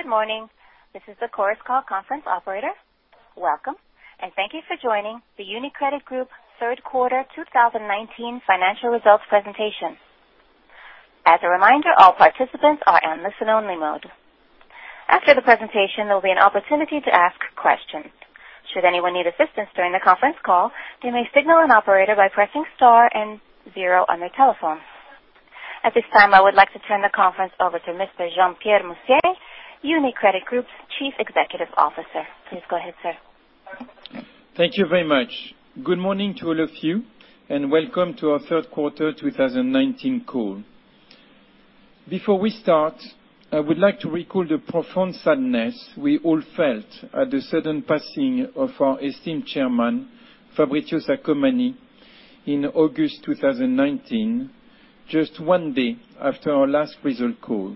Good morning. This is the Chorus Call conference operator. Welcome, thank you for joining the UniCredit Group Q3 2019 financial results presentation. As a reminder, all participants are on listen-only mode. After the presentation, there will be an opportunity to ask questions. Should anyone need assistance during the conference call, they may signal an operator by pressing Star and Zero on their telephone. At this time, I would like to turn the conference over to Mr. Jean Pierre Mustier, UniCredit Group's Chief Executive Officer. Please go ahead, sir. Thank you very much. Good morning to all of you, and welcome to our Q3 2019 call. Before we start, I would like to recall the profound sadness we all felt at the sudden passing of our esteemed chairman, Fabrizio Saccomanni, in August 2019, just one day after our last result call.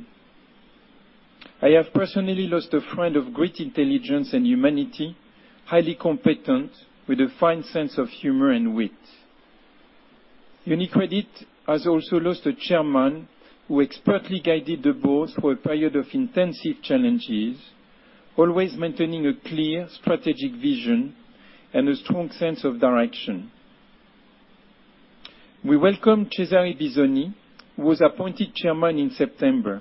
I have personally lost a friend of great intelligence and humanity, highly competent, with a fine sense of humor and wit. UniCredit has also lost a chairman who expertly guided the board through a period of intensive challenges, always maintaining a clear strategic vision and a strong sense of direction. We welcome Cesare Bisoni, who was appointed chairman in September.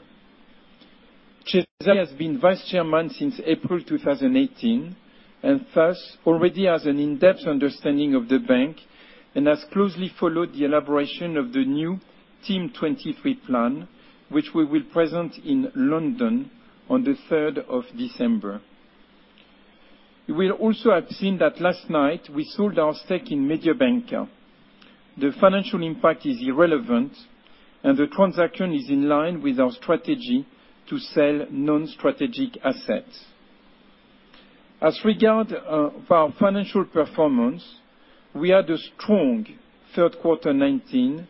Cesare has been vice-chairman since April 2018, and thus already has an in-depth understanding of the bank and has closely followed the elaboration of the new Team 23 plan, which we will present in London on the 3rd of December. You will also have seen that last night we sold our stake in Mediobanca. The financial impact is irrelevant, and the transaction is in line with our strategy to sell non-strategic assets. As regards our financial performance, we had a strong Q3 2019,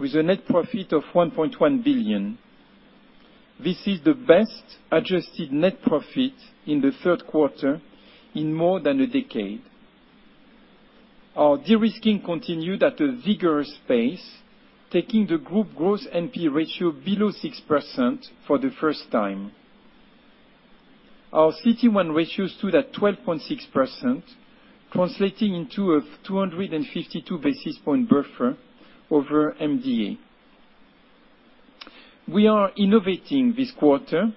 with a net profit of 1.1 billion. This is the best adjusted net profit in the Q3 in more than a decade. Our de-risking continued at a vigorous pace, taking the group gross NPE ratio below 6% for the first time. Our CET1 ratios stood at 12.6%, translating into a 252 basis point buffer over MDA. We are innovating this quarter.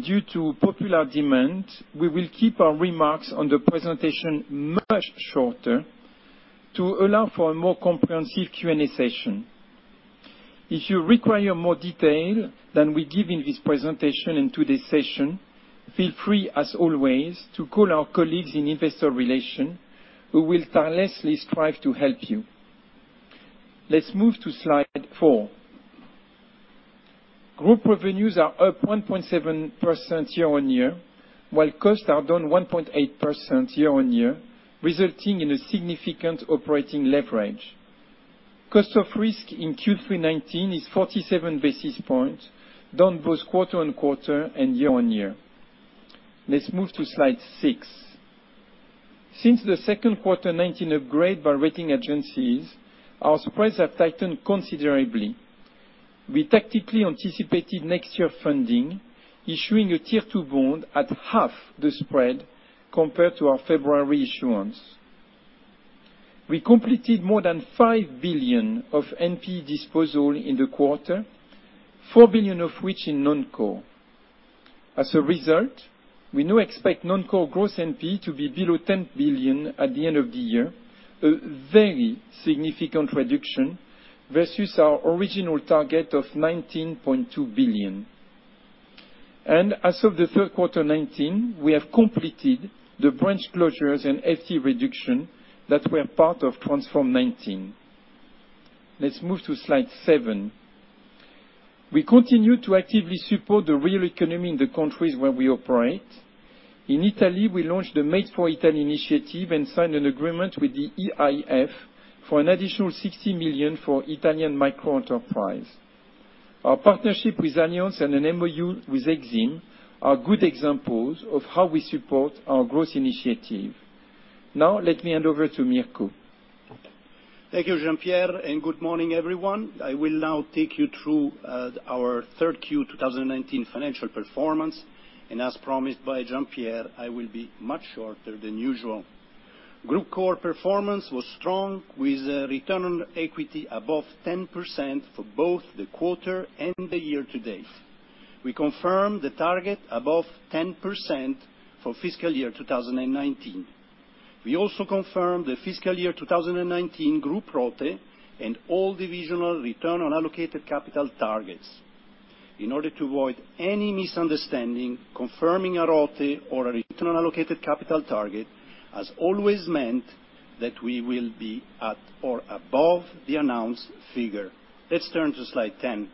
Due to popular demand, we will keep our remarks on the presentation much shorter to allow for a more comprehensive Q&A session. If you require more detail than we give in this presentation and today's session, feel free as always to call our colleagues in Investor Relations, who will tirelessly strive to help you. Let's move to slide four. Group revenues are up 1.7% year-on-year, while costs are down 1.8% year-on-year, resulting in a significant operating leverage. Cost of risk in Q3 2019 is 47 basis points, down both quarter-on-quarter and year-on-year. Let's move to slide six. Since the Q2 2019 upgrade by rating agencies, our spreads have tightened considerably. We tactically anticipated next year funding, issuing a Tier 2 bond at half the spread compared to our February issuance. We completed more than 5 billion of NPE disposal in the quarter, 4 billion of which in non-core. As a result, we now expect non-core gross NPE to be below 10 billion at the end of the year, a very significant reduction versus our original target of 19.2 billion. As of the Q3 2019, we have completed the branch closures and FTE reduction that were part of Transform 2019. Let's move to slide seven. We continue to actively support the real economy in the countries where we operate. In Italy, we launched the Made4Italy initiative and signed an agreement with the EIF for an additional 60 million for Italian micro-enterprise. Our partnership with Allianz and an MOU with EXIM are good examples of how we support our growth initiative. Let me hand over to Mirko. Thank you, Jean-Pierre, and good morning, everyone. I will now take you through our Q3 2019 financial performance, and as promised by Jean-Pierre, I will be much shorter than usual. Group core performance was strong, with a return on equity above 10% for both the quarter and the year to date. We confirm the target above 10% for fiscal year 2019. We also confirm the fiscal year 2019 group ROTE and all divisional return on allocated capital targets. In order to avoid any misunderstanding, confirming a ROTE or a return on allocated capital target has always meant that we will be at or above the announced figure. Let's turn to slide 10.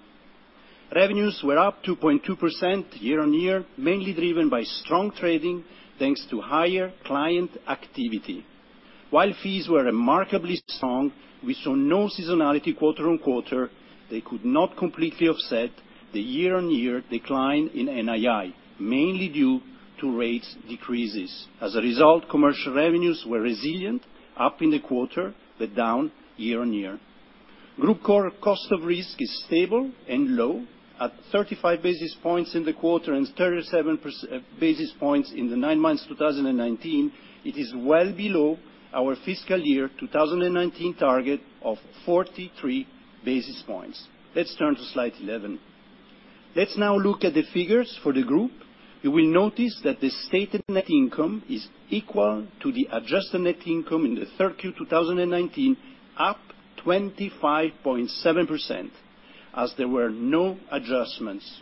Revenues were up 2.2% year-on-year, mainly driven by strong trading, thanks to higher client activity. While fees were remarkably strong, we saw no seasonality quarter-on-quarter. They could not completely offset the year-on-year decline in NII, mainly due to rates decreases. Commercial revenues were resilient, up in the quarter, but down year-on-year. Group core cost of risk is stable and low at 35 basis points in the quarter and 37 basis points in the nine months 2019. It is well below our fiscal year 2019 target of 43 basis points. Let's turn to slide 11. Let's now look at the figures for the group. You will notice that the stated net income is equal to the adjusted net income in the Q3 2019, up 25.7% as there were no adjustments.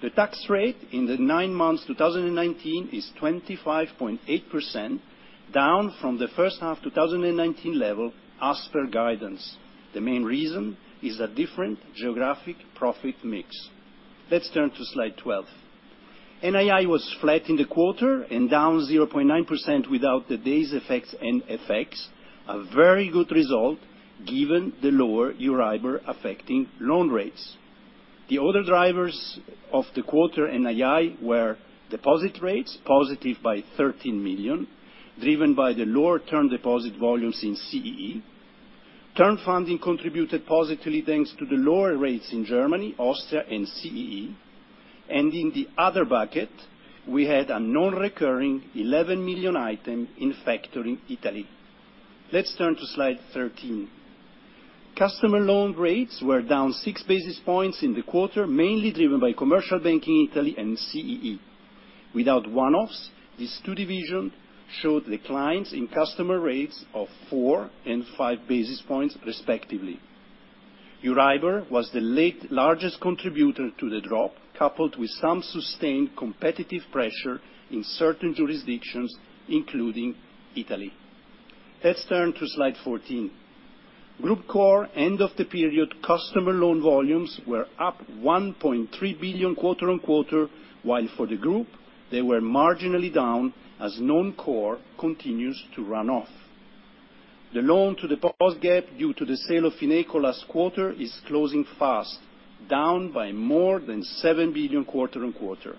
The tax rate in the nine months 2019 is 25.8%, down from the H1 2019 level as per guidance. The main reason is a different geographic profit mix. Let's turn to slide 12. NII was flat in the quarter and down 0.9% without the days effects and FX, a very good result given the lower EURIBOR affecting loan rates. The other drivers of the quarter NII were deposit rates, positive by 13 million, driven by the lower term deposit volumes in CEE. Term funding contributed positively thanks to the lower rates in Germany, Austria, and CEE. In the other bucket, we had a non-recurring 11 million item in Factoring Italy. Let's turn to slide 13. Customer loan rates were down six basis points in the quarter, mainly driven by Commercial Banking Italy and CEE. Without one-offs, these two divisions showed declines in customer rates of four and five basis points respectively. EURIBOR was the largest contributor to the drop, coupled with some sustained competitive pressure in certain jurisdictions, including Italy. Let's turn to slide 14. Group core end-of-the-period customer loan volumes were up 1.3 billion quarter-on-quarter, while for the group, they were marginally down as non-core continues to run off. The loan to deposit gap due to the sale of Fineco last quarter is closing fast, down by more than 7 billion quarter-on-quarter.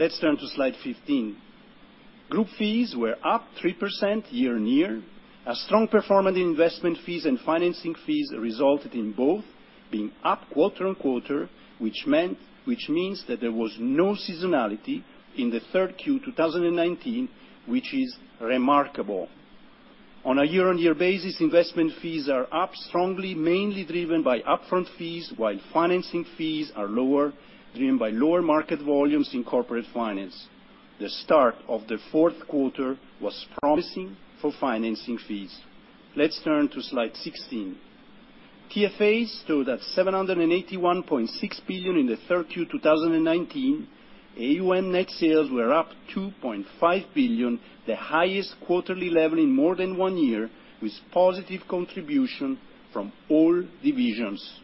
Let's turn to slide 15. Group fees were up 3% year-on-year. A strong performance in investment fees and financing fees resulted in both being up quarter-on-quarter, which means that there was no seasonality in the Q3 2019, which is remarkable. On a year-on-year basis, investment fees are up strongly, mainly driven by upfront fees, while financing fees are lower, driven by lower market volumes in corporate finance. The start of the Q4 was promising for financing fees. Let's turn to slide 16. TFAs stood at 781.6 billion in the Q3 2019. AUM net sales were up 2.5 billion, the highest quarterly level in more than one year, with positive contribution from all divisions.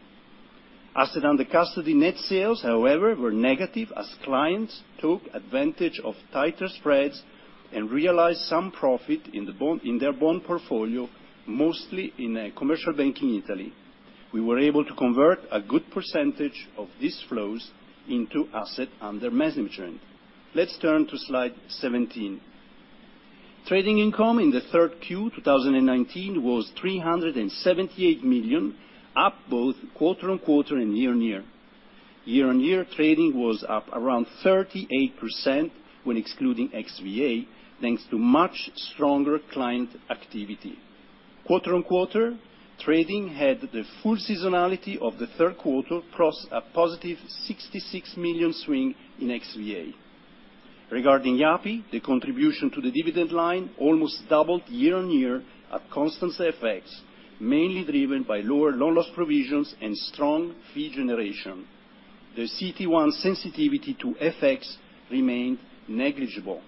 Asset under custody net sales, however, were negative as clients took advantage of tighter spreads and realized some profit in their bond portfolio, mostly in Commercial Banking Italy. We were able to convert a good percentage of these flows into asset under management. Let's turn to slide 17. Trading income in the Q3 2019 was 378 million, up both quarter-on-quarter and year-on-year. Year-on-year, trading was up around 38% when excluding XVA, thanks to much stronger client activity. Quarter-on-quarter, trading had the full seasonality of the Q3 plus a +66 million swing in XVA. Regarding Yapı, the contribution to the dividend line almost doubled year-over-year at constant FX, mainly driven by lower loan loss provisions and strong fee generation. The CET1 sensitivity to FX remained negligible.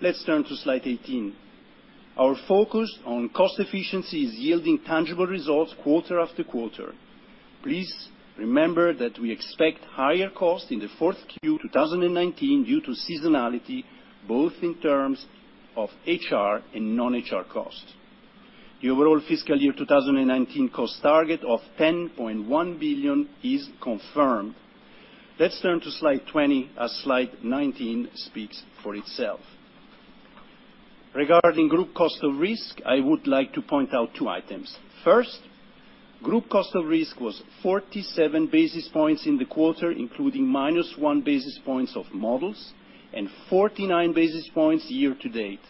Let's turn to slide 18. Our focus on cost efficiency is yielding tangible results quarter-over-quarter. Please remember that we expect higher costs in the Q4 2019 due to seasonality, both in terms of HR and non-HR costs. The overall FY 2019 cost target of 10.1 billion is confirmed. Let's turn to slide 20 as slide 19 speaks for itself. Regarding group cost of risk, I would like to point out two items. First, group cost of risk was 47 basis points in the quarter, including -1 basis points of models and 49 basis points year-to-date.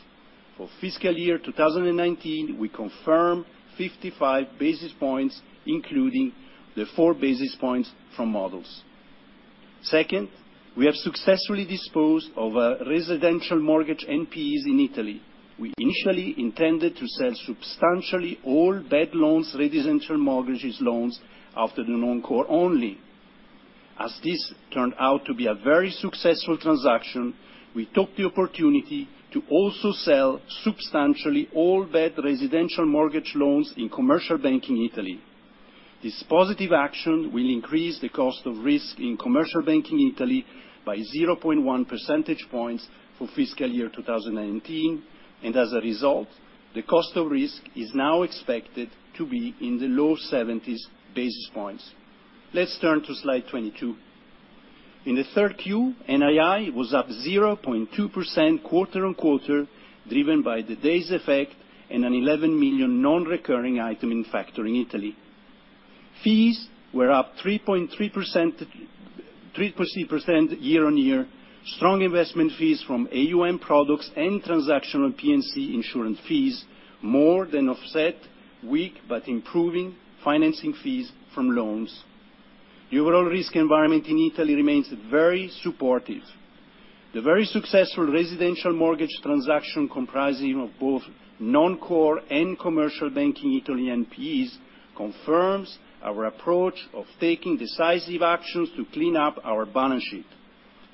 For fiscal year 2019, we confirm 55 basis points, including the 4 basis points from models. Second, we have successfully disposed of a residential mortgage NPEs in Italy. We initially intended to sell substantially all bad loans, residential mortgages loans after the non-core only. As this turned out to be a very successful transaction, we took the opportunity to also sell substantially all bad residential mortgage loans in Commercial Banking Italy. This positive action will increase the cost of risk in Commercial Banking Italy by 0.1 percentage points for fiscal year 2019, and as a result, the cost of risk is now expected to be in the low 70s basis points. Let's turn to slide 22. In the Q3, NII was up 0.2% quarter-on-quarter, driven by the days effect and an 11 million non-recurring item in factor in Italy. Fees were up 3.3% year-on-year. Strong investment fees from AUM products and transactional P&C insurance fees more than offset weak, but improving financing fees from loans. The overall risk environment in Italy remains very supportive. The very successful residential mortgage transaction comprising of both non-core and Commercial Banking Italy NPEs confirms our approach of taking decisive actions to clean up our balance sheet.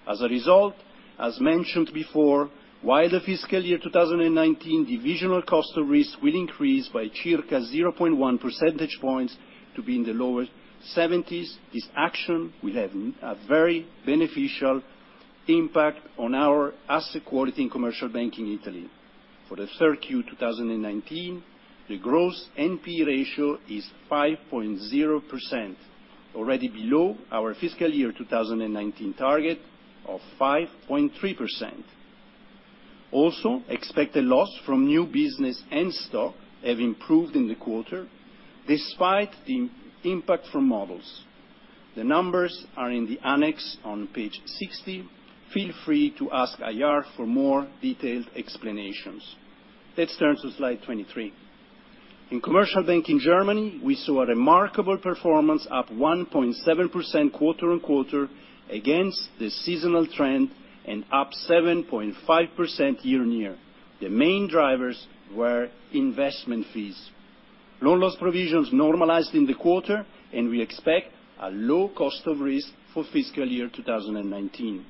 As a result, as mentioned before, while the fiscal year 2019 divisional cost of risk will increase by circa 0.1 percentage points to be in the lower 70s, this action will have a very beneficial impact on our asset quality in Commercial Banking Italy. For the Q3 2019, the gross NPE ratio is 5.0%, already below our fiscal year 2019 target of 5.3%. Expected loss from new business and stock have improved in the quarter, despite the impact from models. The numbers are in the annex on page 60. Feel free to ask IR for more detailed explanations. Let's turn to slide 23. In Commercial Banking Germany, we saw a remarkable performance up 1.7% quarter-on-quarter against the seasonal trend and up 7.5% year-on-year. The main drivers were investment fees. Loan loss provisions normalized in the quarter, and we expect a low cost of risk for fiscal year 2019.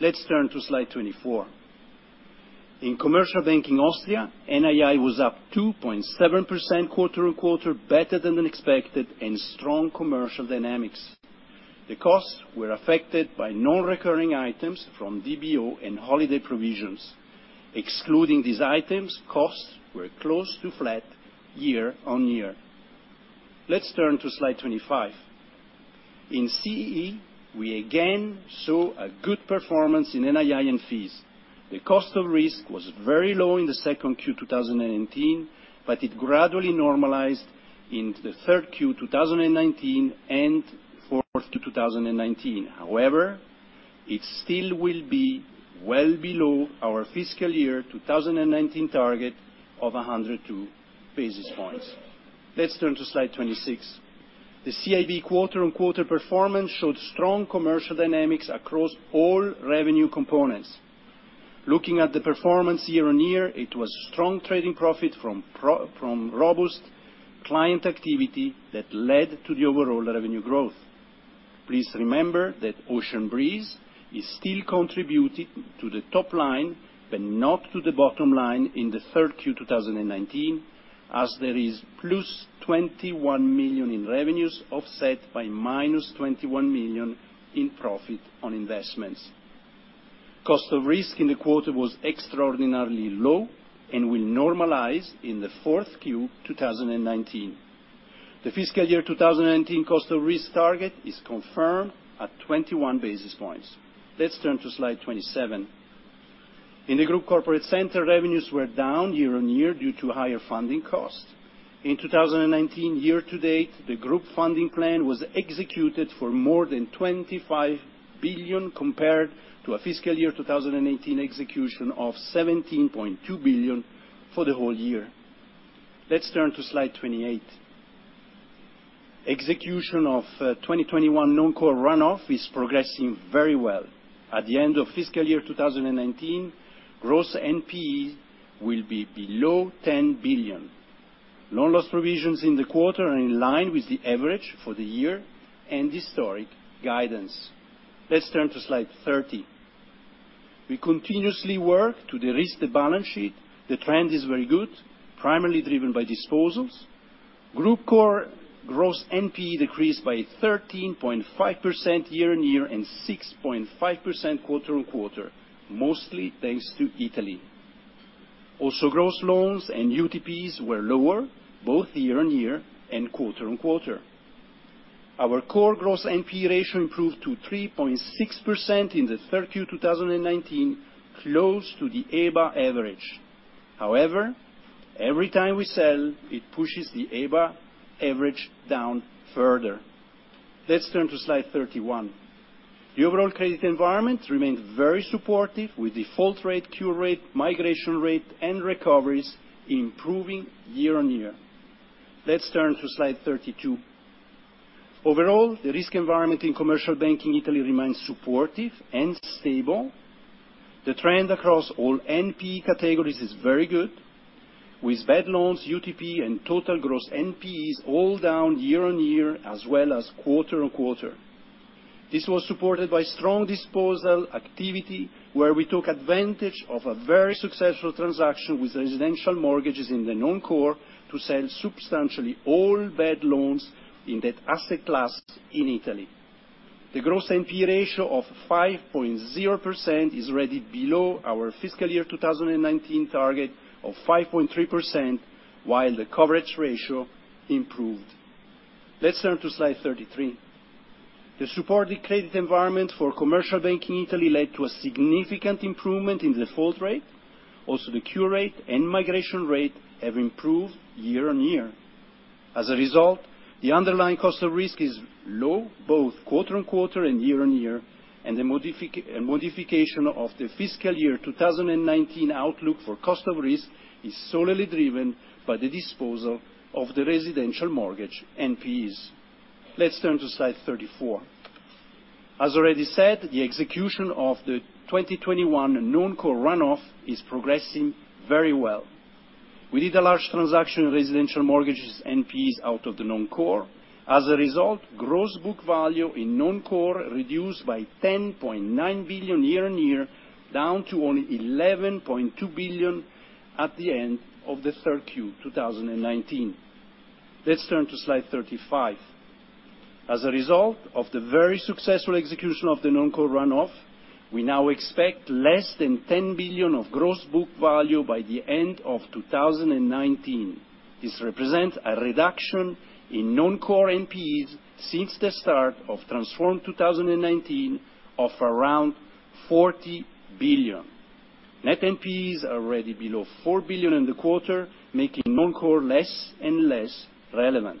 Let's turn to slide 24. In Commercial Banking Austria, NII was up 2.7% quarter-on-quarter, better than expected, and strong commercial dynamics. The costs were affected by non-recurring items from DBO and holiday provisions. Excluding these items, costs were close to flat year-on-year. Let's turn to slide 25. In CEE, we again saw a good performance in NII and fees. The cost of risk was very low in the Q2 2019. It gradually normalized into the Q3 2019 and Q4 2019. It still will be well below our fiscal year 2019 target of 102 basis points. Let's turn to slide 26. The CIB quarter-on-quarter performance showed strong commercial dynamics across all revenue components. Looking at the performance year-on-year, it was strong trading profit from robust client activity that led to the overall revenue growth. Please remember that Ocean Breeze is still contributing to the top line, but not to the bottom line in the Q3 2019, as there is +21 million in revenues offset by -21 million in profit on investments. Cost of risk in the quarter was extraordinarily low and will normalize in the Q4 2019. The fiscal year 2019 cost of risk target is confirmed at 21 basis points. Let's turn to slide 27. In the Group Corporate Center, revenues were down year-on-year due to higher funding costs. In 2019, year-to-date, the Group funding plan was executed for more than 25 billion, compared to a fiscal year 2018 execution of 17.2 billion for the whole year. Let's turn to slide 28. Execution of 2021 non-core runoff is progressing very well. At the end of fiscal year 2019, gross NPE will be below 10 billion. Loan loss provisions in the quarter are in line with the average for the year and historic guidance. Let's turn to slide 30. We continuously work to de-risk the balance sheet. The trend is very good, primarily driven by disposals. Group core gross NPE decreased by 13.5% year-on-year and 6.5% quarter-on-quarter, mostly thanks to Italy. Also, gross loans and UTPs were lower, both year-on-year and quarter-on-quarter. Our core gross NPE ratio improved to 3.6% in the Q3 2019, close to the EBA average. However, every time we sell, it pushes the EBA average down further. Let's turn to slide 31. The overall credit environment remains very supportive with default rate, cure rate, migration rate, and recoveries improving year-on-year. Let's turn to slide 32. Overall, the risk environment in Commercial Banking Italy remains supportive and stable. The trend across all NPE categories is very good, with bad loans, UTP, and total gross NPEs all down year-on-year as well as quarter-on-quarter. This was supported by strong disposal activity, where we took advantage of a very successful transaction with residential mortgages in the Non-Core to sell substantially all bad loans in that asset class in Italy. The gross NPE ratio of 5.0% is already below our fiscal year 2019 target of 5.3%, while the coverage ratio improved. Let's turn to slide 33. The supportive credit environment for Commercial Banking Italy led to a significant improvement in default rate. Also, the cure rate and migration rate have improved year-over-year. As a result, the underlying cost of risk is low, both quarter-over-quarter and year-over-year, and the modification of the fiscal year 2019 outlook for cost of risk is solely driven by the disposal of the residential mortgage NPEs. Let's turn to slide 34. As already said, the execution of the 2021 Non-Core Runoff is progressing very well. We did a large transaction residential mortgages NPEs out of the non-core. As a result, gross book value in non-core reduced by 10.9 billion year-on-year, down to only 11.2 billion at the end of the Q3 2019. Let's turn to slide 35. As a result of the very successful execution of the non-core runoff, we now expect less than 10 billion of gross book value by the end of 2019. This represents a reduction in non-core NPEs since the start of Transform 2019 of around 40 billion. Net NPEs are already below 4 billion in the quarter, making non-core less and less relevant.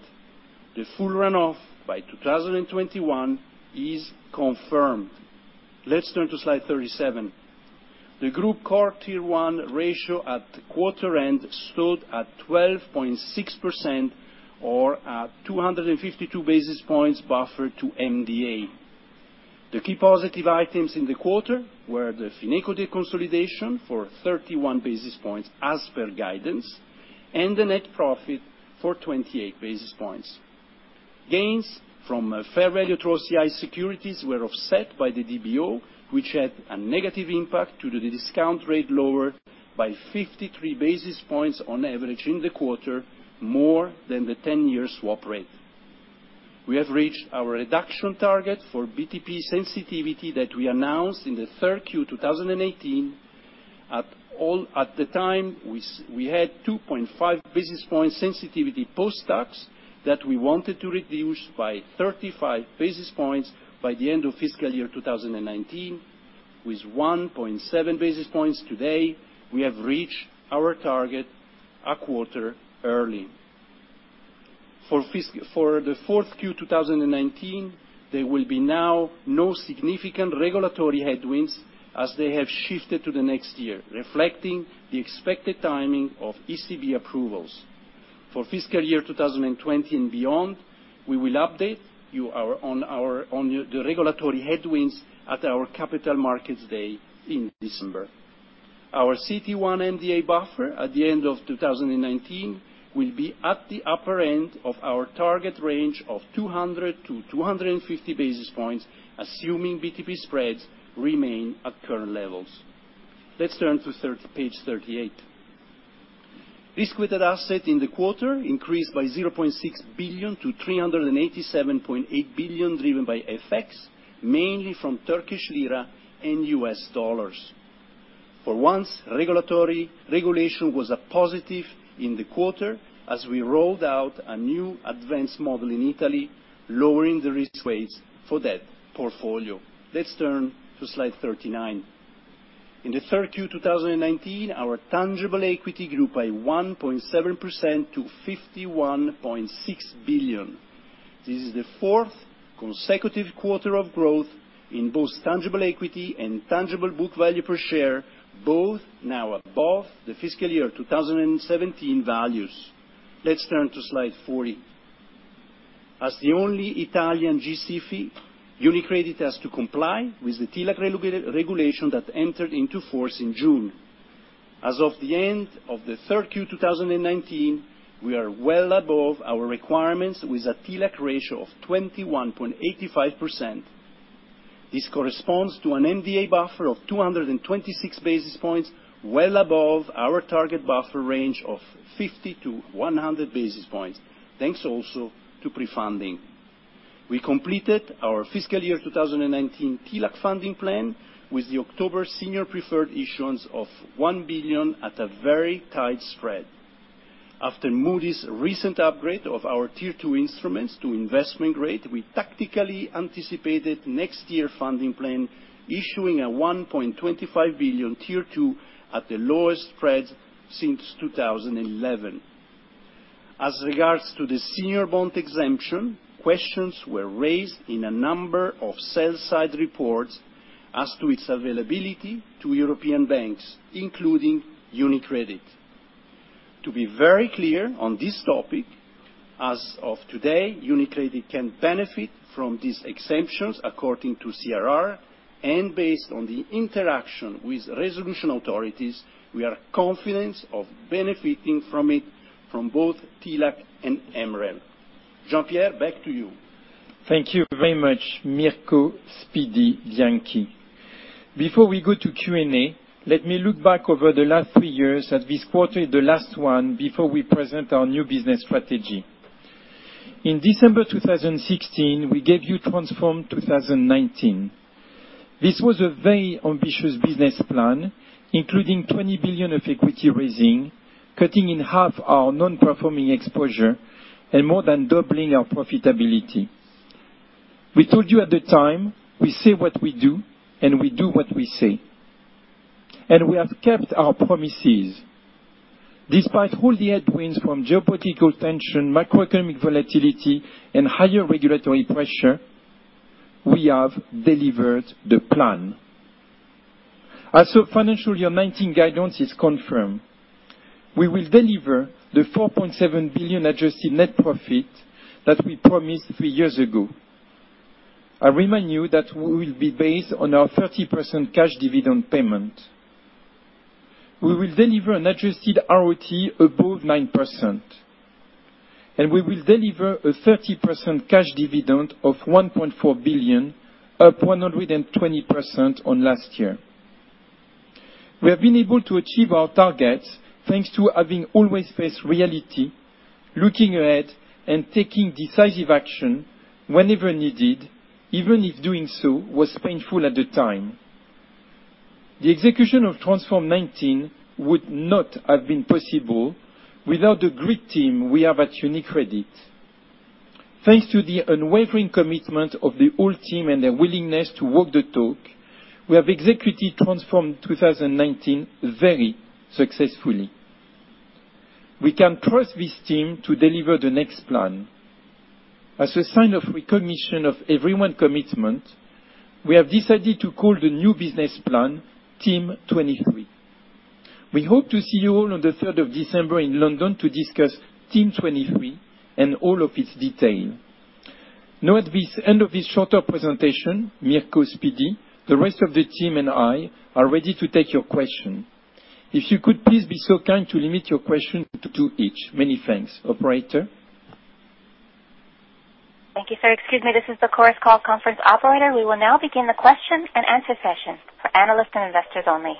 The full runoff by 2021 is confirmed. Let's turn to slide 37. The group Core Tier 1 ratio at quarter end stood at 12.6% or at 252 basis points buffered to MDA. The key positive items in the quarter were the Fineco deconsolidation for 31 basis points as per guidance, and the net profit for 28 basis points. Gains from fair value through OCI securities were offset by the DBO, which had a negative impact due to the discount rate lowered by 53 basis points on average in the quarter, more than the 10-year swap rate. We have reached our reduction target for BTP sensitivity that we announced in the Q3 2018. At the time, we had 2.5 basis points sensitivity post-tax that we wanted to reduce by 35 basis points by the end of fiscal year 2019. With 1.7 basis points today, we have reached our target a quarter early. For the Q4 2019, there will be now no significant regulatory headwinds as they have shifted to the next year, reflecting the expected timing of ECB approvals. For fiscal year 2020 and beyond, we will update you on the regulatory headwinds at our Capital Markets Day in December. Our CET1 MDA buffer at the end of 2019 will be at the upper end of our target range of 200-250 basis points, assuming BTP spreads remain at current levels. Let's turn to page 38. Risk-weighted asset in the quarter increased by 0.6 billion to 387.8 billion, driven by FX, mainly from Turkish lira and US dollars. For once, regulation was a positive in the quarter as we rolled out a new advanced model in Italy, lowering the risk weights for that portfolio. Let's turn to slide 39. In the Q3 2019, our tangible equity grew by 1.7% to 51.6 billion. This is the fourth consecutive quarter of growth in both tangible equity and tangible book value per share, both now above the fiscal year 2017 values. Let's turn to slide 40. As the only Italian G-SIFI, UniCredit has to comply with the TLAC regulation that entered into force in June. As of the end of the Q3 2019, we are well above our requirements with a TLAC ratio of 21.85%. This corresponds to an MDA buffer of 226 basis points, well above our target buffer range of 50-100 basis points. Thanks also to pre-funding. We completed our fiscal year 2019 TLAC funding plan with the October senior preferred issuance of 1 billion at a very tight spread. After Moody's recent upgrade of our Tier 2 instruments to investment grade, we tactically anticipated next year funding plan, issuing a 1.25 billion Tier 2 at the lowest spread since 2011. As regards to the senior bond exemption, questions were raised in a number of sell-side reports as to its availability to European banks, including UniCredit. To be very clear on this topic, as of today, UniCredit can benefit from these exemptions according to CRR, and based on the interaction with resolution authorities, we are confident of benefiting from it from both TLAC and MREL. Jean-Pierre, back to you. Thank you very much, Mirko Speedy Bianchi. Before we go to Q&A, let me look back over the last three years as this quarter is the last one before we present our new business strategy. In December 2016, we gave you Transform 2019. This was a very ambitious business plan, including 20 billion of equity raising, cutting in half our non-performing exposure, and more than doubling our profitability. We told you at the time, we say what we do, and we do what we say. We have kept our promises. Despite all the headwinds from geopolitical tension, macroeconomic volatility, and higher regulatory pressure, we have delivered the plan. Financial Year 2019 guidance is confirmed. We will deliver the 4.7 billion adjusted net profit that we promised three years ago. I remind you that we will be based on our 30% cash dividend payment. We will deliver an adjusted ROTE above 9%, and we will deliver a 30% cash dividend of 1.4 billion, up 120% on last year. We have been able to achieve our targets thanks to having always faced reality, looking ahead, and taking decisive action whenever needed, even if doing so was painful at the time. The execution of Transform 2019 would not have been possible without the great team we have at UniCredit. Thanks to the unwavering commitment of the whole team and their willingness to walk the talk, we have executed Transform 2019 very successfully. We can trust this team to deliver the next plan. As a sign of recognition of everyone commitment, we have decided to call the new business plan Team 23. We hope to see you all on the 3rd of December in London to discuss Team 23 and all of its detail. Now, at this end of this shorter presentation, Mirko Speedy, the rest of the team, and I are ready to take your question. If you could please be so kind to limit your question to two each. Many thanks. Operator? Thank you, sir. Excuse me, this is the Chorus Call conference operator. We will now begin the question and answer session for analysts and investors only.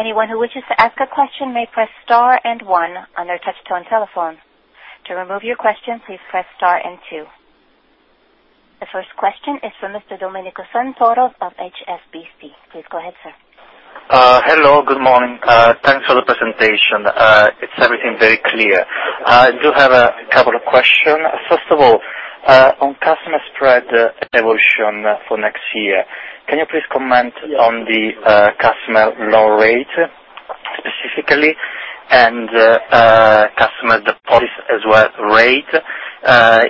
Anyone who wishes to ask a question may press star and one on their touch-tone telephone. To remove your question, please press star and two. The first question is from Mr. Domenico Santoro of HSBC. Please go ahead, sir. Hello, good morning. Thanks for the presentation. It's everything very clear. I do have a couple of questions. First of all, on customer spread evolution for next year, can you please comment on the customer loan rate specifically, and customer deposit as well rate,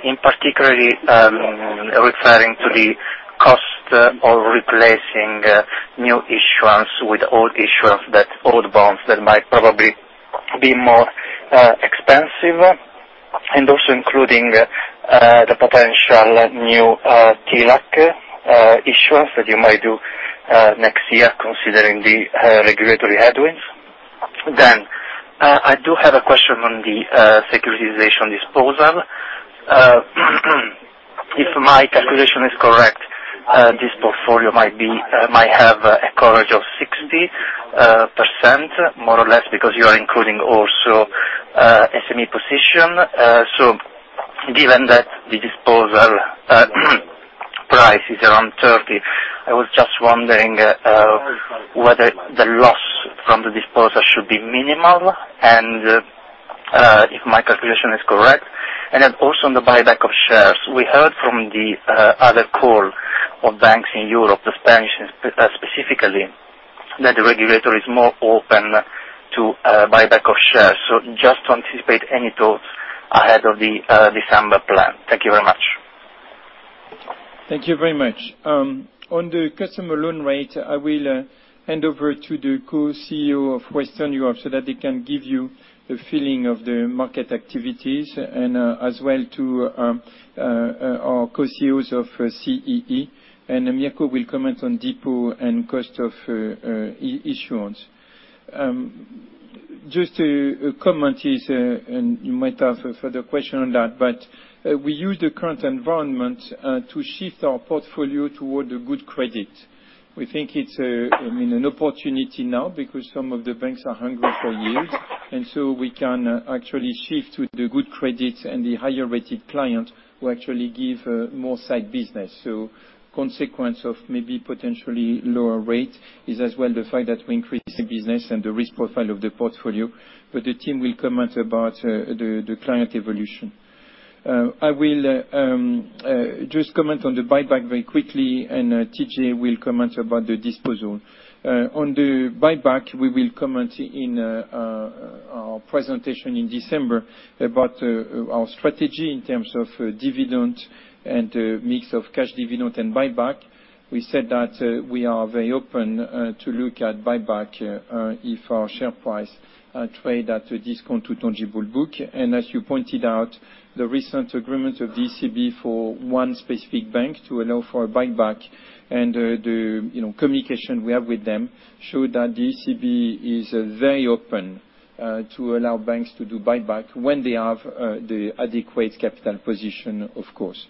in particularly referring to the cost of replacing new issuance with old issuance, that old bonds that might probably be more expensive, and also including the potential new TLAC issuance that you might do next year considering the regulatory headwinds. I do have a question on the securitization disposal. If my calculation is correct, this portfolio might have a coverage of 60% more or less because you are including also SME position. Given that the disposal price is around 30, I was just wondering whether the loss from the disposal should be minimal, and if my calculation is correct. Also on the buyback of shares. We heard from the other call of banks in Europe, the Spanish specifically, that the regulator is more open to buyback of shares. Just to anticipate any thoughts ahead of the December Plan. Thank you very much. Thank you very much. On the customer loan rate, I will hand over to the Co-CEO of Western Europe so that they can give you the feeling of the market activities and as well to our Co-CEOs of CEE, and Mirko will comment on depot and cost of issuance. Just a comment is, and you might have a further question on that, but we use the current environment to shift our portfolio toward the good credit. We think it's an opportunity now because some of the banks are hungry for yield. We can actually shift to the good credits and the higher-rated client who actually give more side business. Consequence of maybe potentially lower rate is as well the fact that we increase the business and the risk profile of the portfolio, but the team will comment about the client evolution. I will just comment on the buyback very quickly, and Tj will comment about the disposal. On the buyback, we will comment in our presentation in December about our strategy in terms of dividend and mix of cash dividend and buyback. We said that we are very open to look at buyback if our share price trade at a discount to tangible book. As you pointed out, the recent agreement of ECB for one specific bank to allow for a buyback and the communication we have with them show that ECB is very open to allow banks to do buyback when they have the adequate capital position, of course.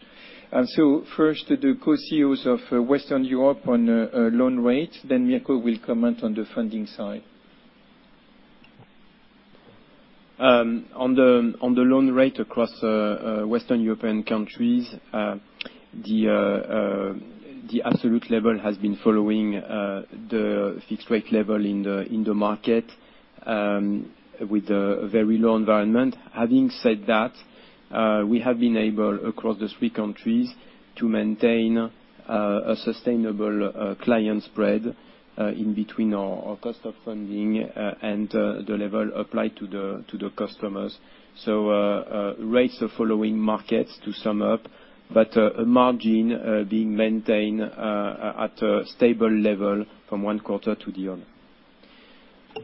First, the co-CEOs of Western Europe on loan rate, then Mirco will comment on the funding side. On the loan rate across Western European countries, the absolute level has been following the fixed rate level in the market with a very low environment. Having said that, we have been able, across the three countries, to maintain a sustainable client spread in between our cost of funding and the level applied to the customers. Rates are following markets, to sum up, but margin being maintained at a stable level from one quarter to the other.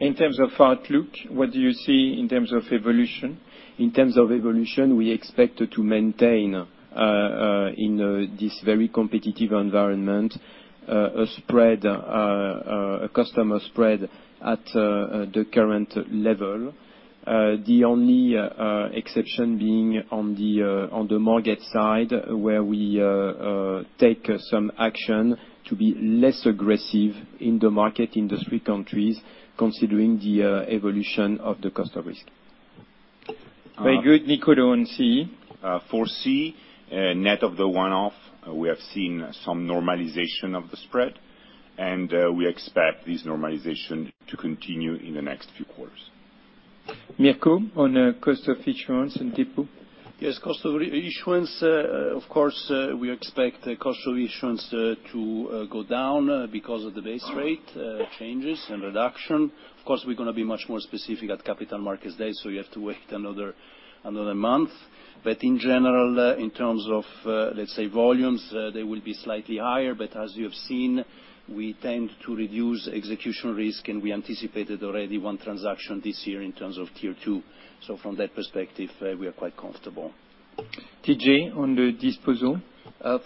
In terms of outlook, what do you see in terms of evolution? In terms of evolution, we expect to maintain, in this very competitive environment, a customer spread at the current level. The only exception being on the mortgage side, where we take some action to be less aggressive in the market in the three countries, considering the evolution of the cost of risk. Very good. Niccolò on C. For C, net of the one-off, we have seen some normalization of the spread. We expect this normalization to continue in the next few quarters. Mirko, on cost of issuance and depo. Yes. Cost of issuance, of course, we expect cost of issuance to go down because of the base rate changes and reduction. Of course, we're going to be much more specific at Capital Markets Day. You have to wait another month. In general, in terms of, let's say volumes, they will be slightly higher. As you have seen, we tend to reduce execution risk, and we anticipated already one transaction this year in terms of Q2. So from that perspective, we are quite comfortable. Tj, on the disposal.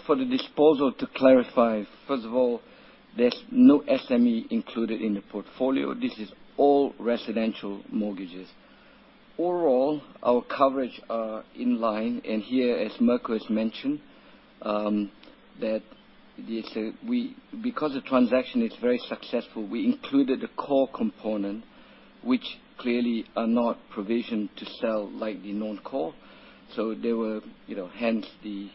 For the disposal, to clarify, first of all, there's no SME included in the portfolio. This is all residential mortgages. Overall, our coverage are in line, and here, as Mirko has mentioned, that because the transaction is very successful, we included the core component, which clearly are not provisioned to sell like the non-core. Hence the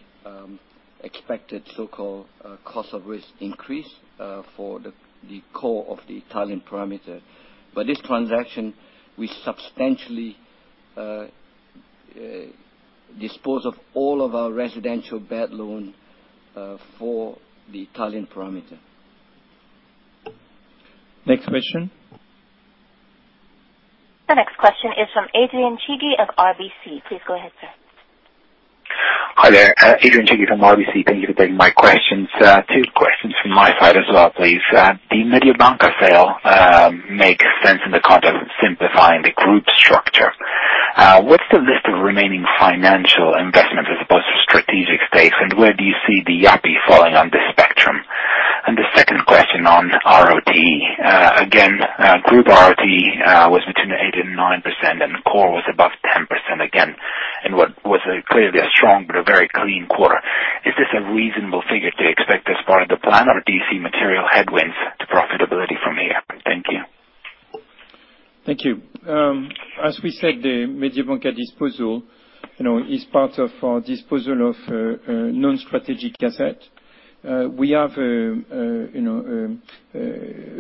expected so-called cost of risk increase for the core of the Italian parameter. By this transaction, we substantially dispose of all of our residential bad loan for the Italian parameter. Next question. The next question is from Adrian Cighi of RBC. Please go ahead, sir. Hi there. Adrian Cighi from RBC. Thank you for taking my questions. Two questions from my side as well, please. The Mediobanca sale makes sense in the context of simplifying the group structure. What's the list of remaining financial investments as opposed to strategic stakes, and where do you see the Yapı falling on this spectrum? The second question on ROTE. Again, group ROTE was between 8% and 9%, and the core was above 10% again. What was clearly a strong but a very clean quarter. Is this a reasonable figure to expect as part of the plan, or do you see material headwinds to profitability from here? Thank you. Thank you. As we said, the Mediobanca disposal is part of our disposal of non-strategic assets. We have a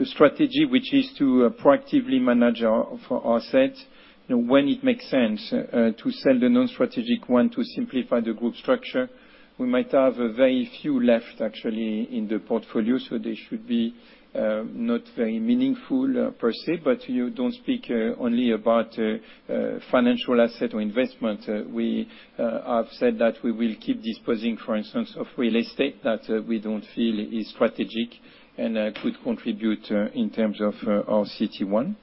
strategy, which is to proactively manage our assets when it makes sense to sell the non-strategic one to simplify the group structure. We might have a very few left, actually, in the portfolio, so they should be not very meaningful per se, but you don't speak only about financial asset or investment. We have said that we will keep disposing, for instance, of real estate that we don't feel is strategic, and could contribute in terms of our CET1.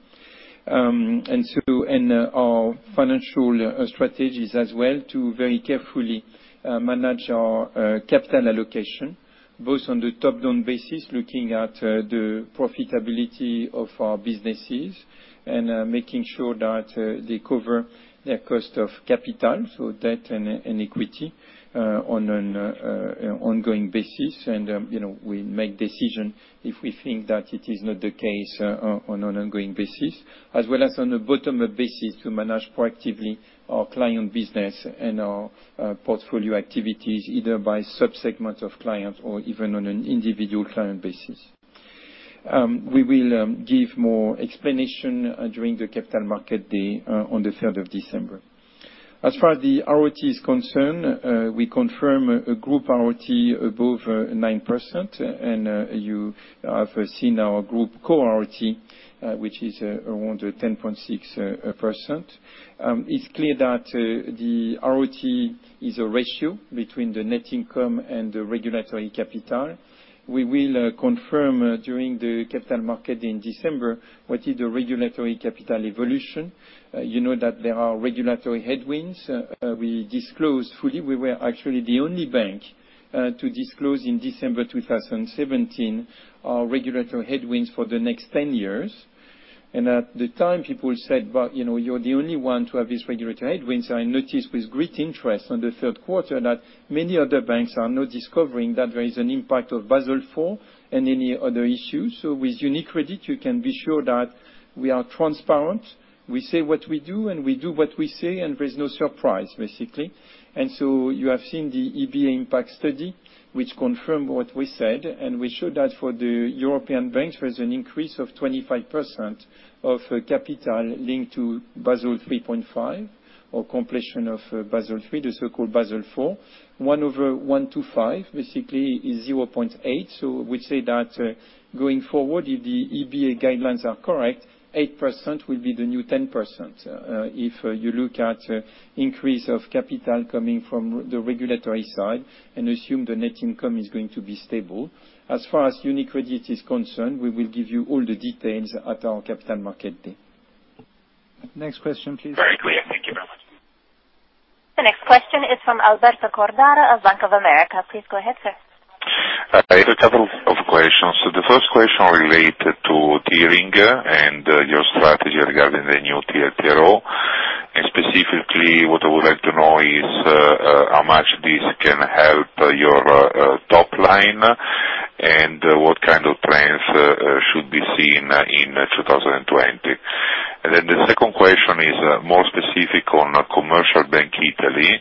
Our financial strategy is as well to very carefully manage our capital allocation, both on the top-down basis, looking at the profitability of our businesses, and making sure that they cover their cost of capital, so debt and equity, on an ongoing basis. We make decision if we think that it is not the case on an ongoing basis, as well as on a bottom-up basis to manage proactively our client business and our portfolio activities, either by sub-segment of client or even on an an individual client basis. We will give more explanation during the Capital Markets Day on the 3rd of December. As far as the ROTE is concerned, we confirm a group ROTE above 9%, and you have seen our group core ROTE, which is around 10.6%. It's clear that the ROTE is a ratio between the net income and the regulatory capital. We will confirm during the Capital Market in December what is the regulatory capital evolution. You know that there are regulatory headwinds. We disclose fully. We were actually the only bank to disclose in December 2017 our regulatory headwinds for the next 10 years. At the time, people said, "But you're the only one to have these regulatory headwinds." I noticed with great interest in the Q3 that many other banks are now discovering that there is an impact of Basel IV and any other issues. With UniCredit, you can be sure that we are transparent. We say what we do, and we do what we say, and there's no surprise, basically. You have seen the EBA impact study, which confirmed what we said, and we showed that for the European banks, there's an increase of 25% of capital linked to Basel 3.5 or completion of Basel III, the so-called Basel IV. 1 over 125 basically is 0.8, so we say that going forward, if the EBA guidelines are correct, 8% will be the new 10%. If you look at increase of capital coming from the regulatory side and assume the net income is going to be stable. As far as UniCredit is concerned, we will give you all the details at our Capital Markets Day. Next question, please. Very clear. Thank you very much. The next question is from Alberto Cordara of Bank of America. Please go ahead, sir. I have a couple of questions. The first question related to tiering and your strategy regarding the new TLTRO. Specifically, what I would like to know is, how much this can help your top line, and what kind of trends should be seen in 2020? The second question is more specific on Commercial Banking Italy.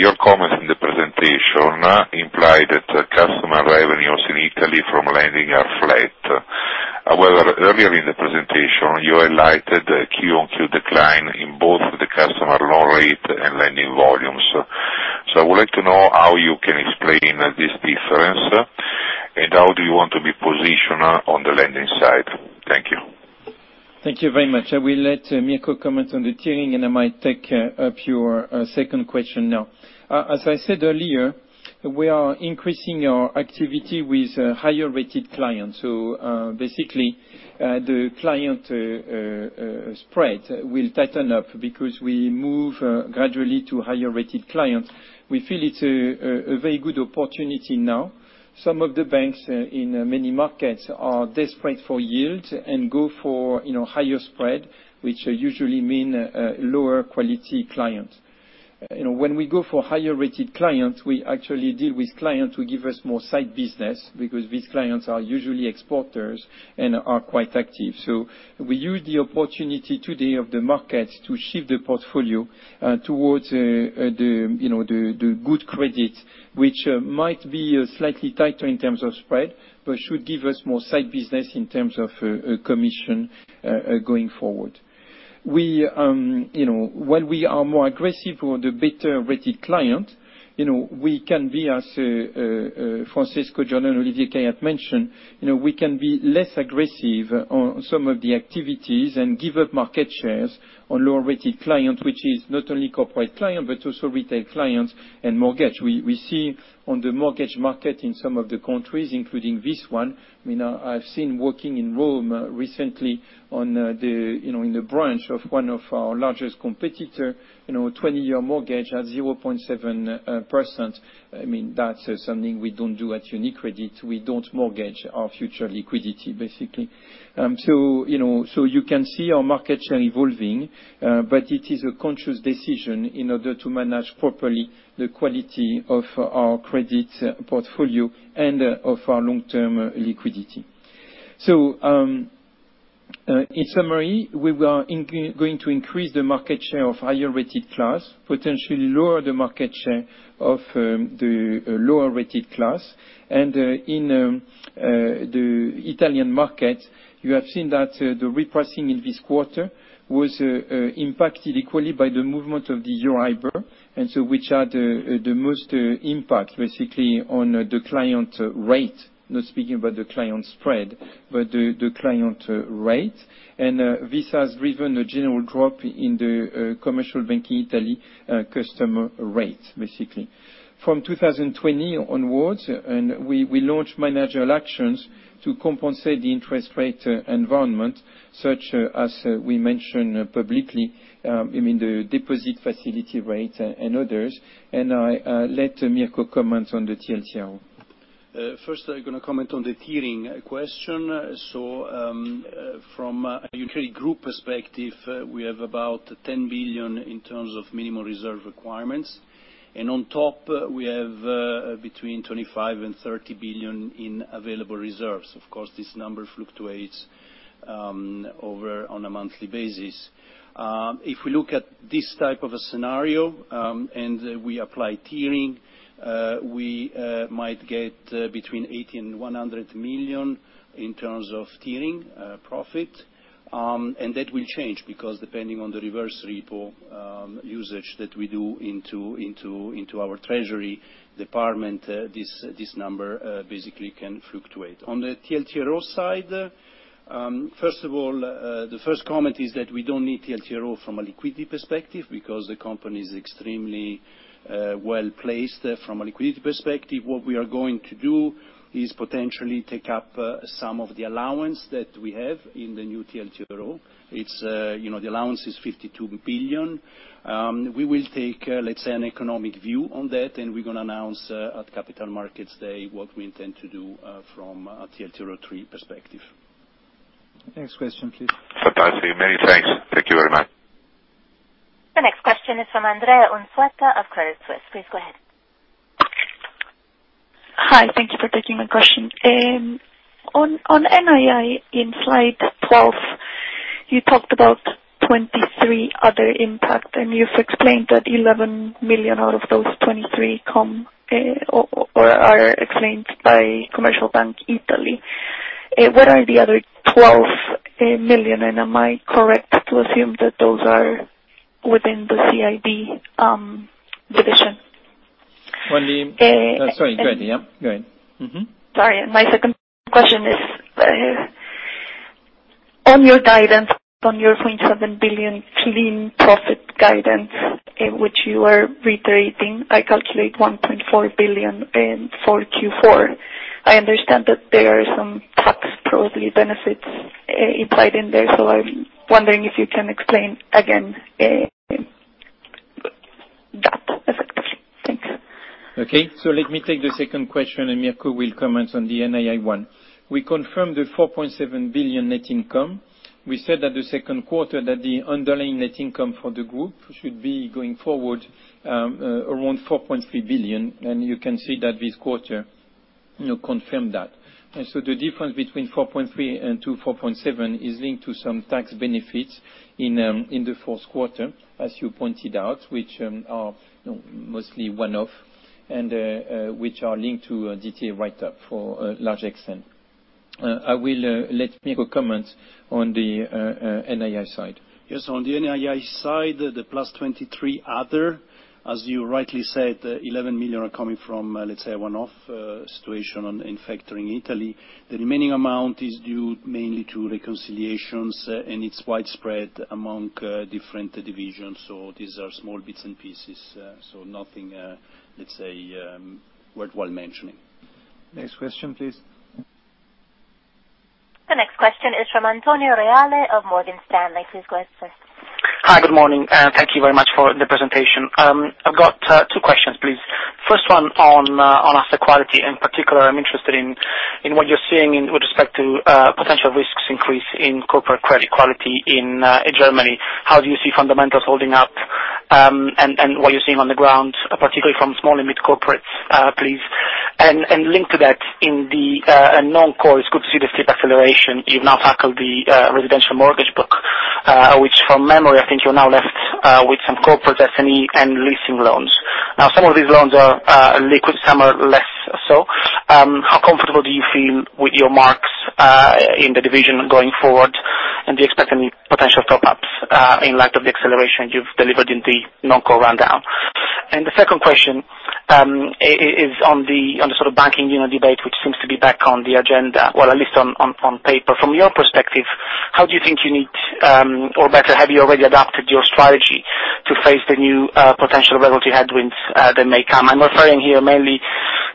Your comments in the presentation imply that customer revenues in Italy from lending are flat. However, earlier in the presentation, you highlighted quarter-over-quarter decline in both the customer loan rate and lending volumes. I would like to know how you can explain this difference, and how do you want to be positioned on the lending side? Thank you. Thank you very much. I will let Mirko comment on the tiering, and I might take up your second question now. As I said earlier, we are increasing our activity with higher-rated clients. Basically, the client spread will tighten up because we move gradually to higher-rated clients. We feel it's a very good opportunity now. Some of the banks in many markets are desperate for yield and go for higher spread, which usually mean lower-quality clients. When we go for higher-rated clients, we actually deal with clients who give us more side business because these clients are usually exporters and are quite active. We use the opportunity today of the market to shift the portfolio towards the good credit, which might be slightly tighter in terms of spread, but should give us more side business in terms of commission going forward. While we are more aggressive on the better-rated client, we can be as Francesco Giordano and Olivier had mentioned, we can be less aggressive on some of the activities and give up market shares on lower-rated client, which is not only corporate client, but also retail clients and mortgage. We see on the mortgage market in some of the countries, including this one, I've seen working in Rome recently in the branch of one of our largest competitor, 20-year mortgage at 0.7%. That's something we don't do at UniCredit. We don't mortgage our future liquidity, basically. You can see our market share evolving, but it is a conscious decision in order to manage properly the quality of our credit portfolio and of our long-term liquidity. In summary, we are going to increase the market share of higher-rated class, potentially lower the market share of the lower-rated class. In the Italian market, you have seen that the repricing in this quarter was impacted equally by the movement of the EURIBOR, and so which had the most impact basically on the client rate, not speaking about the client spread, but the client rate. This has driven a general drop in the Commercial Banking Italy customer rate, basically. From 2020 onwards, and we launch managerial actions to compensate the interest rate environment, such as we mentioned publicly, the deposit facility rate and others. I let Mirko comment on the TLTRO. First, I'm going to comment on the tiering question. From a UniCredit Group perspective, we have about 10 billion in terms of minimal reserve requirements. On top, we have between 25 billion and 30 billion in available reserves. Of course, this number fluctuates over on a monthly basis. If we look at this type of a scenario, and we apply tiering, we might get between 80 million and 100 million in terms of tiering profit. That will change, because depending on the reverse repo usage that we do into our treasury department, this number basically can fluctuate. On the TLTRO side, first of all, the first comment is that we don't need TLTRO from a liquidity perspective because the company is extremely well-placed from a liquidity perspective. What we are going to do is potentially take up some of the allowance that we have in the new TLTRO. The allowance is 52 billion. We will take, let's say, an economic view on that. We're going to announce at Capital Markets Day what we intend to do from a TLTRO3 perspective. Next question, please. Fantastic. Many thanks. Thank you very much. The next question is from Andrea Unzueta of Credit Suisse. Please go ahead. Hi. Thank you for taking my question. On NII, in slide 12, you talked about 23 other impact, and you've explained that 11 million out of those 23 million come or are explained by Commercial Banking Italy. What are the other 12 million, and am I correct to assume that those are within the CIB division? Sorry, go ahead, yeah. Go ahead. Mm-hmm. Sorry, my second question is on your guidance, on your 4.7 billion clean profit guidance, which you are reiterating, I calculate 1.4 billion for Q4. I understand that there are some tax probably benefits inside in there, I'm wondering if you can explain again that effectively. Thanks. Okay. Let me take the second question, and Mirko will comment on the NII one. We confirmed the 4.7 billion net income. We said that the Q2 that the underlying net income for the group should be going forward around 4.3 billion, and you can see that this quarter confirmed that. The difference between 4.3 and 4.7 is linked to some tax benefits in the Q4, as you pointed out, which are mostly one-off and which are linked to a DTA write-up for a large extent. I will let Mirko comment on the NII side. On the NII side, the +23 other, as you rightly said, 11 million are coming from, let's say, a one-off situation in factoring Italy. The remaining amount is due mainly to reconciliations, and it's widespread among different divisions, so these are small bits and pieces, so nothing, let's say, worthwhile mentioning. Next question, please. The next question is from Antonio Reale of Morgan Stanley. Please go ahead, sir. Hi, good morning. Thank you very much for the presentation. I've got two questions, please. First one on asset quality. In particular, I'm interested in what you're seeing with respect to potential risks increase in corporate credit quality in Germany. How do you see fundamentals holding up? What you're seeing on the ground, particularly from small and mid-corporates, please. Linked to that, in the non-core scope CDCP acceleration, you've now tackled the residential mortgage book, which from memory, I think you're now left with some corporate SME and leasing loans. Now, some of these loans are liquid, some are less so. How comfortable do you feel with your marks in the division going forward, and do you expect any potential top-ups in light of the acceleration you've delivered in the non-core rundown? The second question is on the sort of banking union debate, which seems to be back on the agenda, well, at least on paper. From your perspective, how do you think you need, or better, have you already adapted your strategy to face the new potential regulatory headwinds that may come? I'm referring here mainly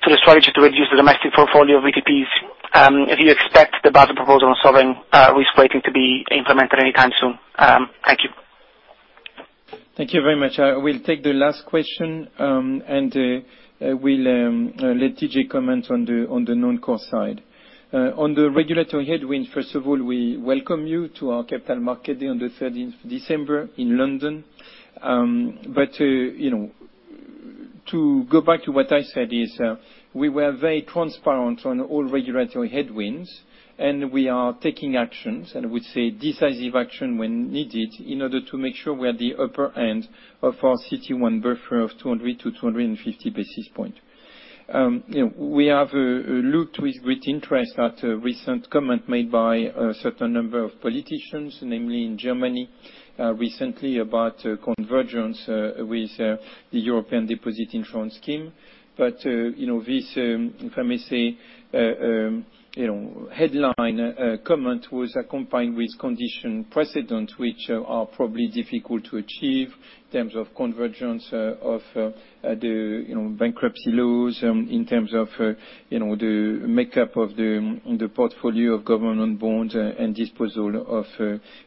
to the strategy to reduce the domestic portfolio of BTPs. If you expect the Basel proposal on sovereign risk weighting to be implemented anytime soon. Thank you. Thank you very much. I will take the last question, and I will let Tj comment on the non-core side. On the regulatory headwind, first of all, we welcome you to our Capital Markets Day on the 13th December in London. To go back to what I said is we were very transparent on all regulatory headwinds, and we are taking actions, and I would say decisive action when needed in order to make sure we are at the upper end of our CET1 buffer of 200-250 basis point. We have looked with great interest at a recent comment made by a certain number of politicians, namely in Germany recently, about convergence with the European Deposit Insurance Scheme. This, if I may say, headline comment was accompanied with condition precedent, which are probably difficult to achieve in terms of convergence of the bankruptcy laws, in terms of the makeup of the portfolio of government bonds and disposal of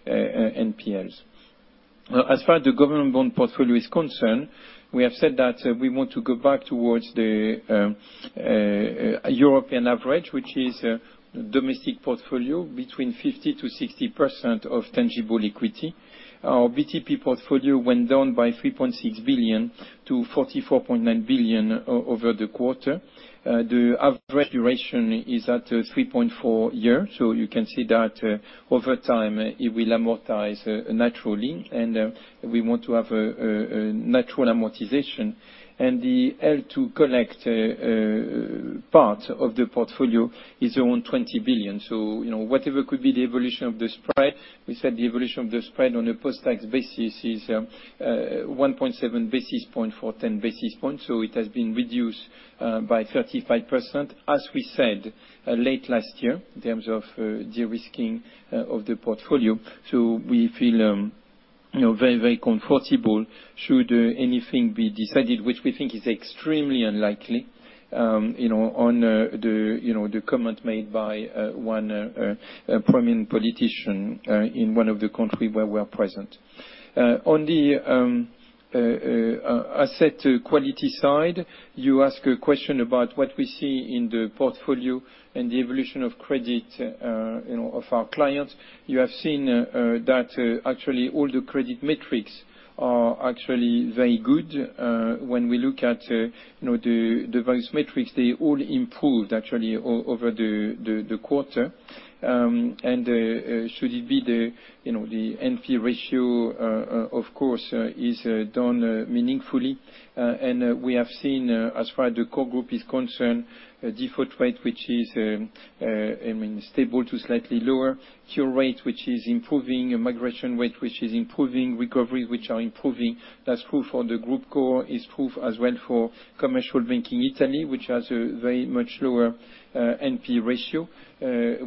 NPLs. As far as the government bond portfolio is concerned, we have said that we want to go back towards the European average, which is a domestic portfolio between 50%-60% of tangible equity. Our BTP portfolio went down by 3.6 billion to 44.9 billion over the quarter. The average duration is at 3.4 year, so you can see that over time it will amortize naturally, and we want to have a natural amortization. The hold to collect part of the portfolio is around 20 billion. Whatever could be the evolution of the spread, we said the evolution of the spread on a post-tax basis is 1.7 basis points for 10 basis points. It has been reduced by 35%, as we said late last year, in terms of de-risking of the portfolio. We feel very comfortable should anything be decided, which we think is extremely unlikely, on the comment made by one prominent politician in one of the countries where we're present. On the asset quality side, you ask a question about what we see in the portfolio and the evolution of credit of our clients. You have seen that actually all the credit metrics are actually very good. When we look at the various metrics, they all improved actually over the quarter. Should it be the NP ratio, of course, is down meaningfully. We have seen, as far as the core group is concerned, default rate, which is stable to slightly lower. Cure rate, which is improving. Migration rate, which is improving. Recovery, which are improving. That is proof for the group core, is proof as well for Commercial Banking Italy, which has a very much lower NP ratio,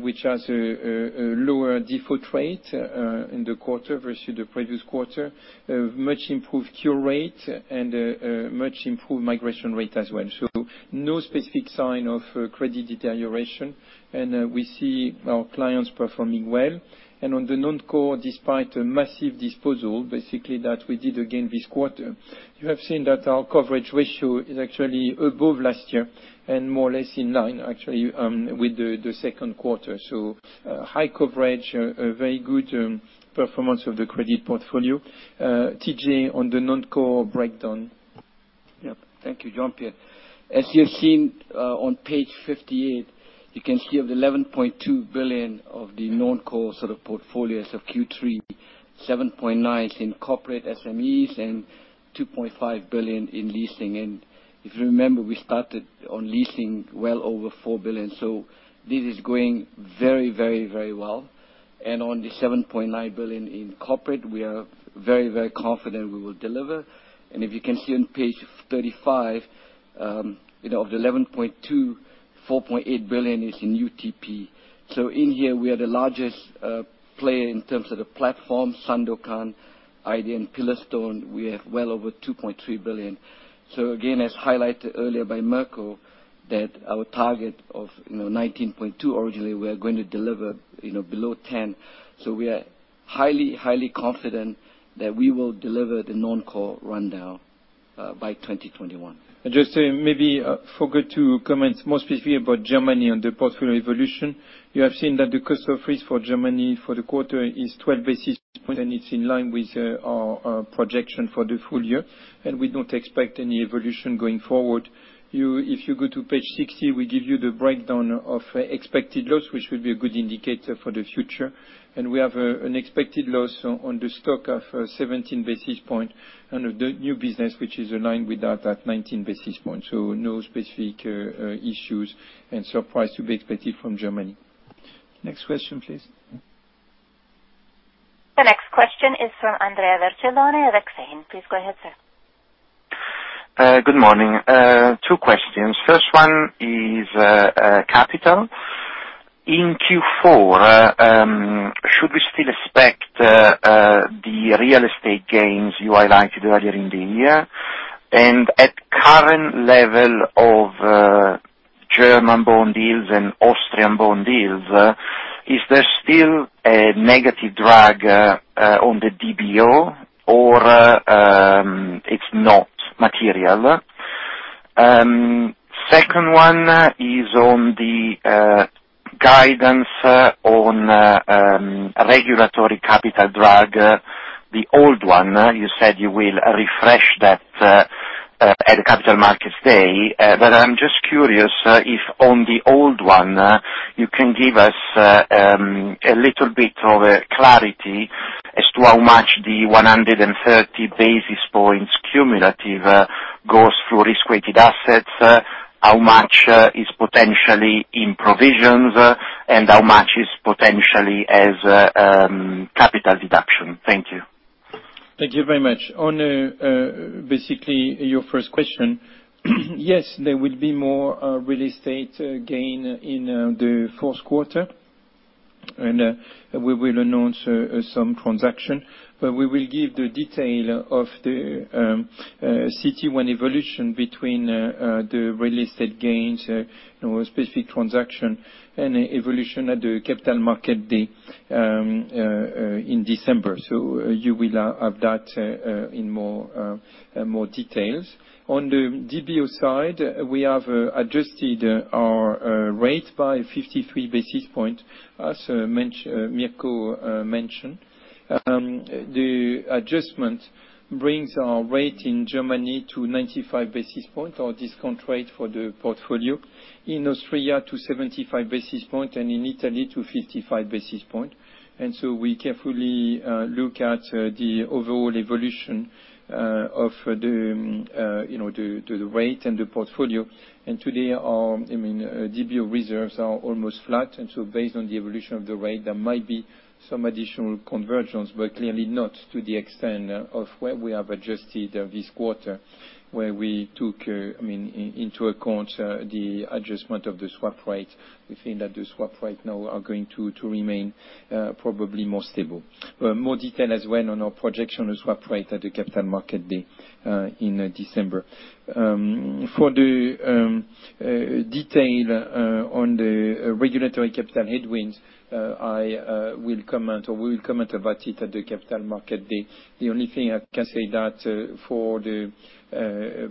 which has a lower default rate in the quarter versus the previous quarter, much improved cure rate, and much improved migration rate as well. No specific sign of credit deterioration. We see our clients performing well. On the non-core, despite a massive disposal, basically that we did again this quarter, you have seen that our coverage ratio is actually above last year and more or less in line actually with the Q2. High coverage, a very good performance of the credit portfolio. Tj on the non-core breakdown. Thank you, Jean-Pierre. As you have seen on page 58, you can see of the 11.2 billion of the non-core sort of portfolios of Q3, 7.9 is in corporate SMEs and 2.5 billion in leasing. If you remember, we started on leasing well over 4 billion. This is going very well. On the 7.9 billion in corporate, we are very confident we will deliver. If you can see on page 35, of the 11.2, 4.8 billion is in UTP. In here we are the largest player in terms of the platform, Sandokan, UCCMB and Pillarstone, we have well over 2.3 billion. Again, as highlighted earlier by Mirko, that our target of 19.2 originally, we are going to deliver below 10. We are highly confident that we will deliver the non-core rundown by 2021. Just maybe forgot to comment more specifically about Germany on the portfolio evolution. You have seen that the cost of risk for Germany for the quarter is 12 basis points. It's in line with our projection for the full year. We don't expect any evolution going forward. If you go to page 60, we give you the breakdown of expected loss, which will be a good indicator for the future. We have an expected loss on the stock of 17 basis points under the new business, which is aligned with that at 19 basis points. No specific issues and surprise to be expected from Germany. Next question, please. The next question is from Andrea Vercellone, Exane. Please go ahead, sir. Good morning. Two questions. First one is capital. In Q4, should we still expect the real estate gains you highlighted earlier in the year? At current level of German bond yields and Austrian bond yields, is there still a negative drag on the DBO or it's not material? Second one is on the guidance on regulatory capital drag, the old one, you said you will refresh that at the Capital Markets Day. I'm just curious if on the old one, you can give us a little bit of clarity as to how much the 130 basis points cumulative goes through risk-weighted assets, how much is potentially in provisions, and how much is potentially as capital deduction. Thank you. Thank you very much. Basically your first question, yes, there will be more real estate gain in the Q4, and we will announce some transaction. We will give the detail of the CET1 evolution between the real estate gains, specific transaction, and evolution at the Capital Market Day in December. You will have that in more details. The DBO side, we have adjusted our rate by 53 basis points, as Mirko mentioned. The adjustment brings our rate in Germany to 95 basis points or discount rate for the portfolio, in Austria to 75 basis points, and in Italy to 55 basis points. We carefully look at the overall evolution of the rate and the portfolio. Today, DBO reserves are almost flat, based on the evolution of the rate, there might be some additional convergence, but clearly not to the extent of where we have adjusted this quarter where we took into account the adjustment of the swap rate. We think that the swap rate now are going to remain probably more stable. More detail as well on our projection of swap rate at the Capital Markets Day in December. For the detail on the regulatory capital headwinds, I will comment or we will comment about it at the Capital Markets Day. The only thing I can say that for the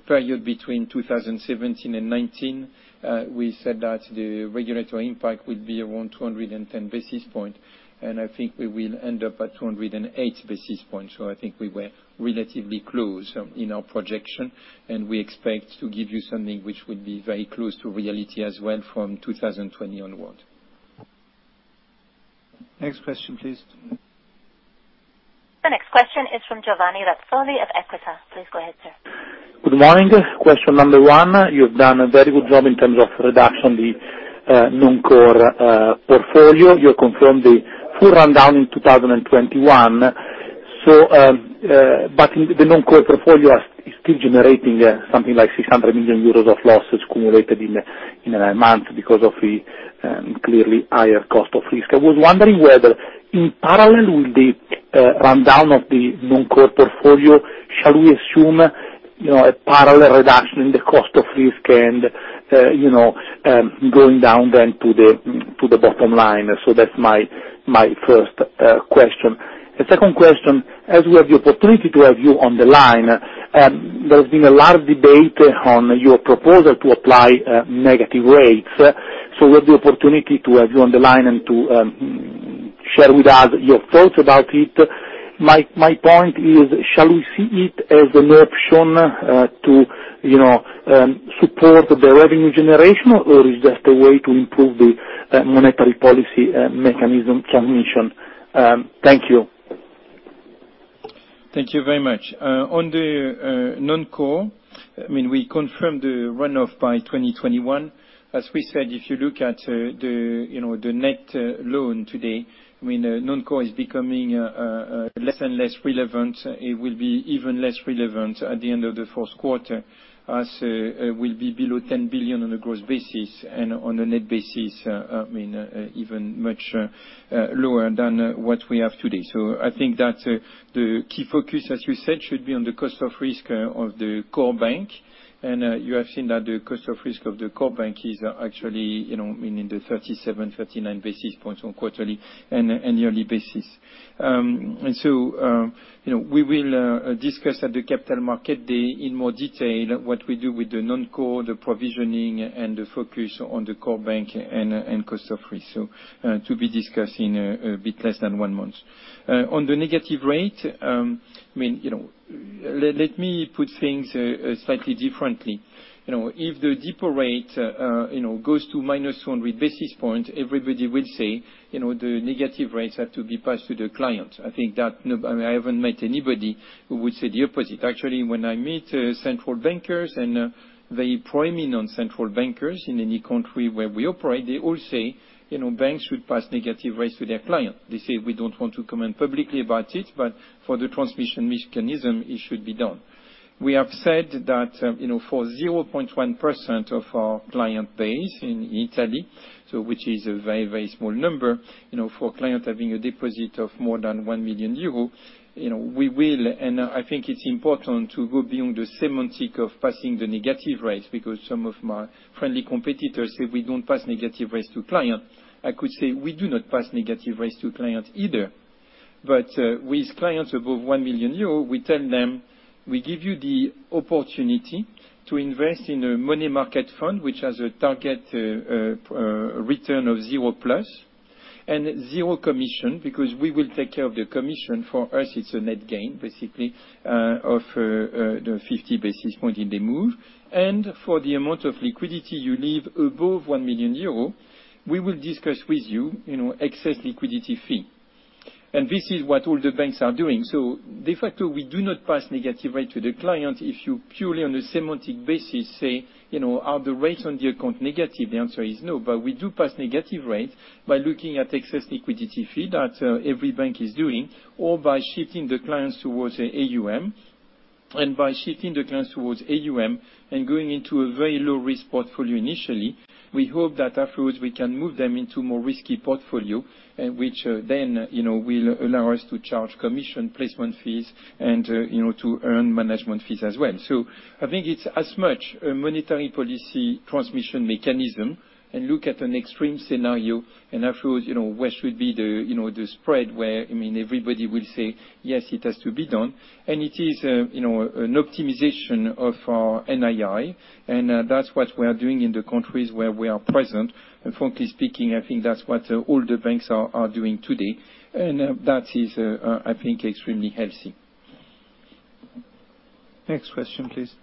period between 2017 and 2019, we said that the regulatory impact would be around 210 basis points. I think we will end up at 208 basis points. I think we were relatively close in our projection, and we expect to give you something which will be very close to reality as well from 2020 onward. Next question, please. The next question is from Giovanni Razzoli of EQUITA. Please go ahead, sir. Good morning. Question number one, you've done a very good job in terms of reduction the non-core portfolio. You have confirmed the full rundown in 2021. The non-core portfolio is still generating something like 600 million euros of losses accumulated in nine months because of the clearly higher cost of risk. I was wondering whether, in parallel with the rundown of the non-core portfolio, shall we assume a parallel reduction in the cost of risk and going down then to the bottom line? That's my first question. The second question, as we have the opportunity to have you on the line, there's been a lot of debate on your proposal to apply negative rates. We have the opportunity to have you on the line and to share with us your thoughts about it. My point is, shall we see it as an option to support the revenue generation, or is that a way to improve the monetary policy mechanism transmission? Thank you. Thank you very much. On the non-core, we confirm the runoff by 2021. As we said, if you look at the net loan today, non-core is becoming less and less relevant. It will be even less relevant at the end of the Q4, as it will be below 10 billion on a gross basis. On a net basis, even much lower than what we have today. I think that the key focus, as you said, should be on the cost of risk of the core bank. You have seen that the cost of risk of the core bank is actually in the 37, 39 basis points on quarterly and yearly basis. We will discuss at the Capital Markets Day in more detail what we do with the non-core, the provisioning, and the focus on the core bank, and cost of risk. To be discussed in a bit less than one month. On the negative rate, let me put things slightly differently. If the depo rate goes to -100 basis points, everybody will say the negative rates have to be passed to the client. I think that I haven't met anybody who would say the opposite. When I meet central bankers, and the preeminent central bankers in any country where we operate, they all say banks should pass negative rates to their client. They say, "We don't want to comment publicly about it, but for the transmission mechanism, it should be done." We have said that for 0.1% of our client base in Italy, which is a very, very small number, for a client having a deposit of more than 1 million euros, we will, and I think it's important to go beyond the semantic of passing the negative rates because some of my friendly competitors say we don't pass negative rates to client. I could say we do not pass negative rates to clients either. With clients above 1 million euro, we tell them, we give you the opportunity to invest in a money market fund, which has a target return of 0+, and zero commission, because we will take care of the commission. For us, it's a net gain, basically, of the 50 basis point in the move. For the amount of liquidity you leave above 1 million euro, we will discuss with you excess liquidity fee. This is what all the banks are doing. De facto, we do not pass negative rate to the client. If you purely on a semantic basis say, are the rates on the account negative? The answer is no. We do pass negative rates by looking at excess liquidity fee that every bank is doing, or by shifting the clients towards AUM, and by shifting the clients towards AUM and going into a very low-risk portfolio initially, we hope that afterwards we can move them into more risky portfolio, which then will allow us to charge commission placement fees and to earn management fees as well. I think it's as much a monetary policy transmission mechanism, and look at an extreme scenario, and afterwards, where should be the spread where everybody will say, "Yes, it has to be done." It is an optimization of our NII, and that's what we are doing in the countries where we are present. Frankly speaking, I think that's what all the banks are doing today. That is, I think extremely healthy. Next question, please.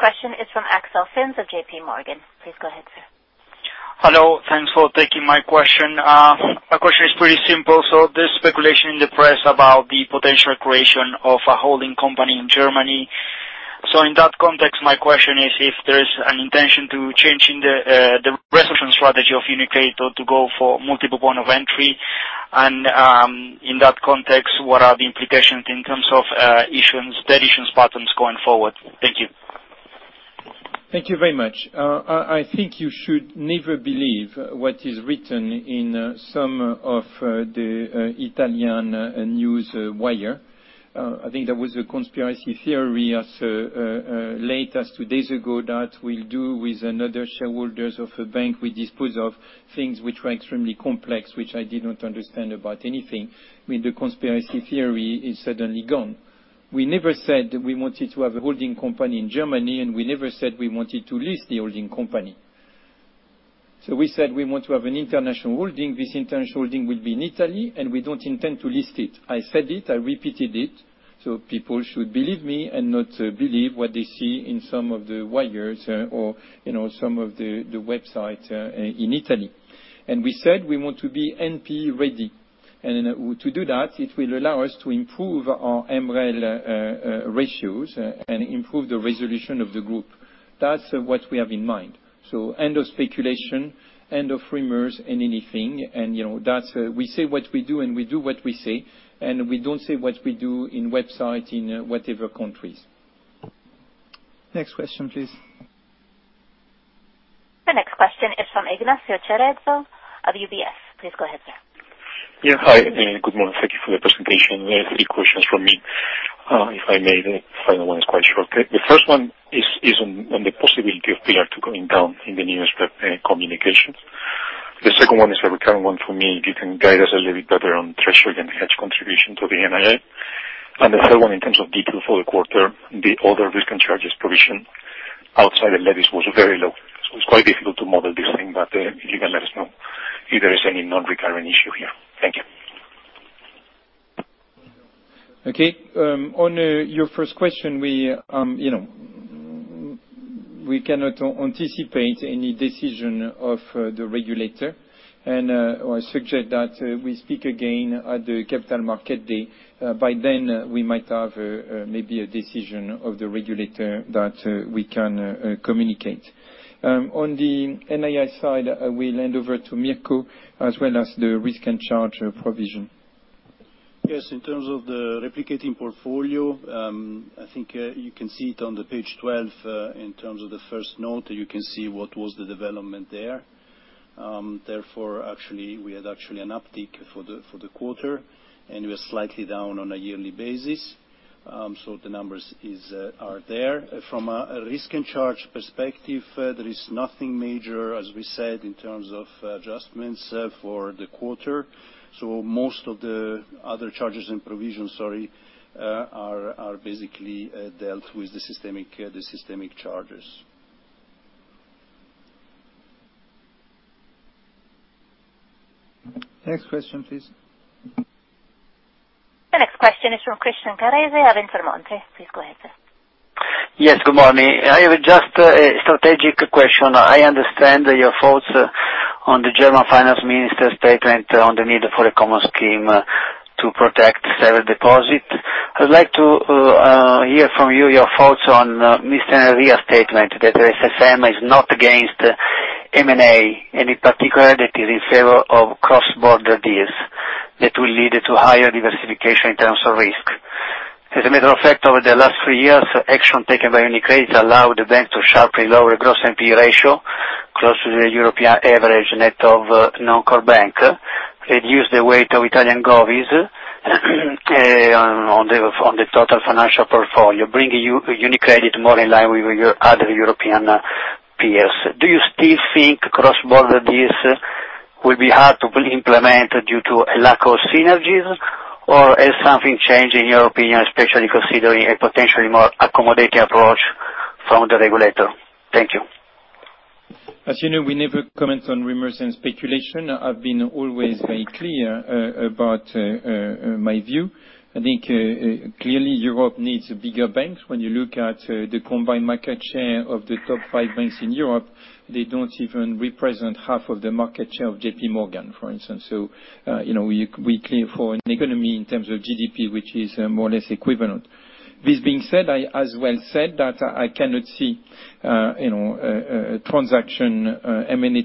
The next question is from Axel Finsterbusch of JPMorgan. Please go ahead, sir. Hello. Thanks for taking my question. My question is pretty simple. There's speculation in the press about the potential creation of a holding company in Germany. In that context, my question is if there's an intention to changing the resolution strategy of UniCredit or to go for multiple point of entry, and in that context, what are the implications in terms of issuance, the issuance patterns going forward? Thank you. Thank you very much. I think you should never believe what is written in some of the Italian news wire. I think there was a conspiracy theory as late as two days ago that we'll do with another shareholders of a bank. We dispose of things which were extremely complex, which I did not understand about anything. The conspiracy theory is suddenly gone. We never said we wanted to have a holding company in Germany. We never said we wanted to list the holding company. We said we want to have an international holding. This international holding will be in Italy. We don't intend to list it. I said it, I repeated it. People should believe me and not believe what they see in some of the wires or some of the websites in Italy. We said we want to be MPE ready. To do that, it will allow us to improve our MREL ratios and improve the resolution of the group. That's what we have in mind. End of speculation, end of rumors and anything, and we say what we do, and we do what we say, and we don't say what we do in website in whatever countries. Next question, please. The next question is from Ignacio Cerezo of UBS. Please go ahead, sir. Hi, good morning. Thank you for your presentation. Three questions from me, if I may, the final one is quite short. The first one is on the possibility of P2R going down in the nearest communications. The second one is a recurrent one for me. You can guide us a little bit better on treasury and hedge contribution to the NII. The third one, in terms of detail for the quarter, the other risk and charges provision outside the levies was very low, it's quite difficult to model this thing, if you can let us know if there is any non-recurring issue here. Thank you. Okay. On your first question, we cannot anticipate any decision of the regulator. I suggest that we speak again at the Capital Market Day. By then, we might have maybe a decision of the regulator that we can communicate. On the NII side, I will hand over to Mirko, as well as the risk and charge provision. Yes, in terms of the replicating portfolio, I think you can see it on the page 12, in terms of the first note, you can see what was the development there. Actually, we had an uptick for the quarter, and we're slightly down on a yearly basis. The numbers are there. From a risk and charge perspective, there is nothing major, as we said, in terms of adjustments for the quarter. Most of the other charges and provision, sorry, are basically dealt with the systemic charges. Next question, please. The next question is from Christian Carrese of Intermonte. Please go ahead, sir. Yes, good morning. I have just a strategic question. I understand your thoughts on the German finance minister statement on the need for a common scheme to protect several deposits. I'd like to hear from you your thoughts on Mr. Enria's statement that the SSM is not against M&A, and in particular that he's in favor of cross-border deals that will lead to higher diversification in terms of risk. As a matter of fact, over the last three years, action taken by UniCredit allowed the bank to sharply lower gross NPE ratio closer to the European average net of non-core bank, reduce the weight of Italian BTPs on the total financial portfolio, bringing UniCredit more in line with other European peers. Do you still think cross-border deals will be hard to be implemented due to a lack of synergies? Has something changed in your opinion, especially considering a potentially more accommodating approach from the regulator? Thank you. As you know, we never comment on rumors and speculation. I've been always very clear about my view. I think clearly Europe needs bigger banks. When you look at the combined market share of the top five banks in Europe, they don't even represent half of the market share of JPMorgan, for instance. We clear for an economy in terms of GDP, which is more or less equivalent. This being said, I as well said that I cannot see M&A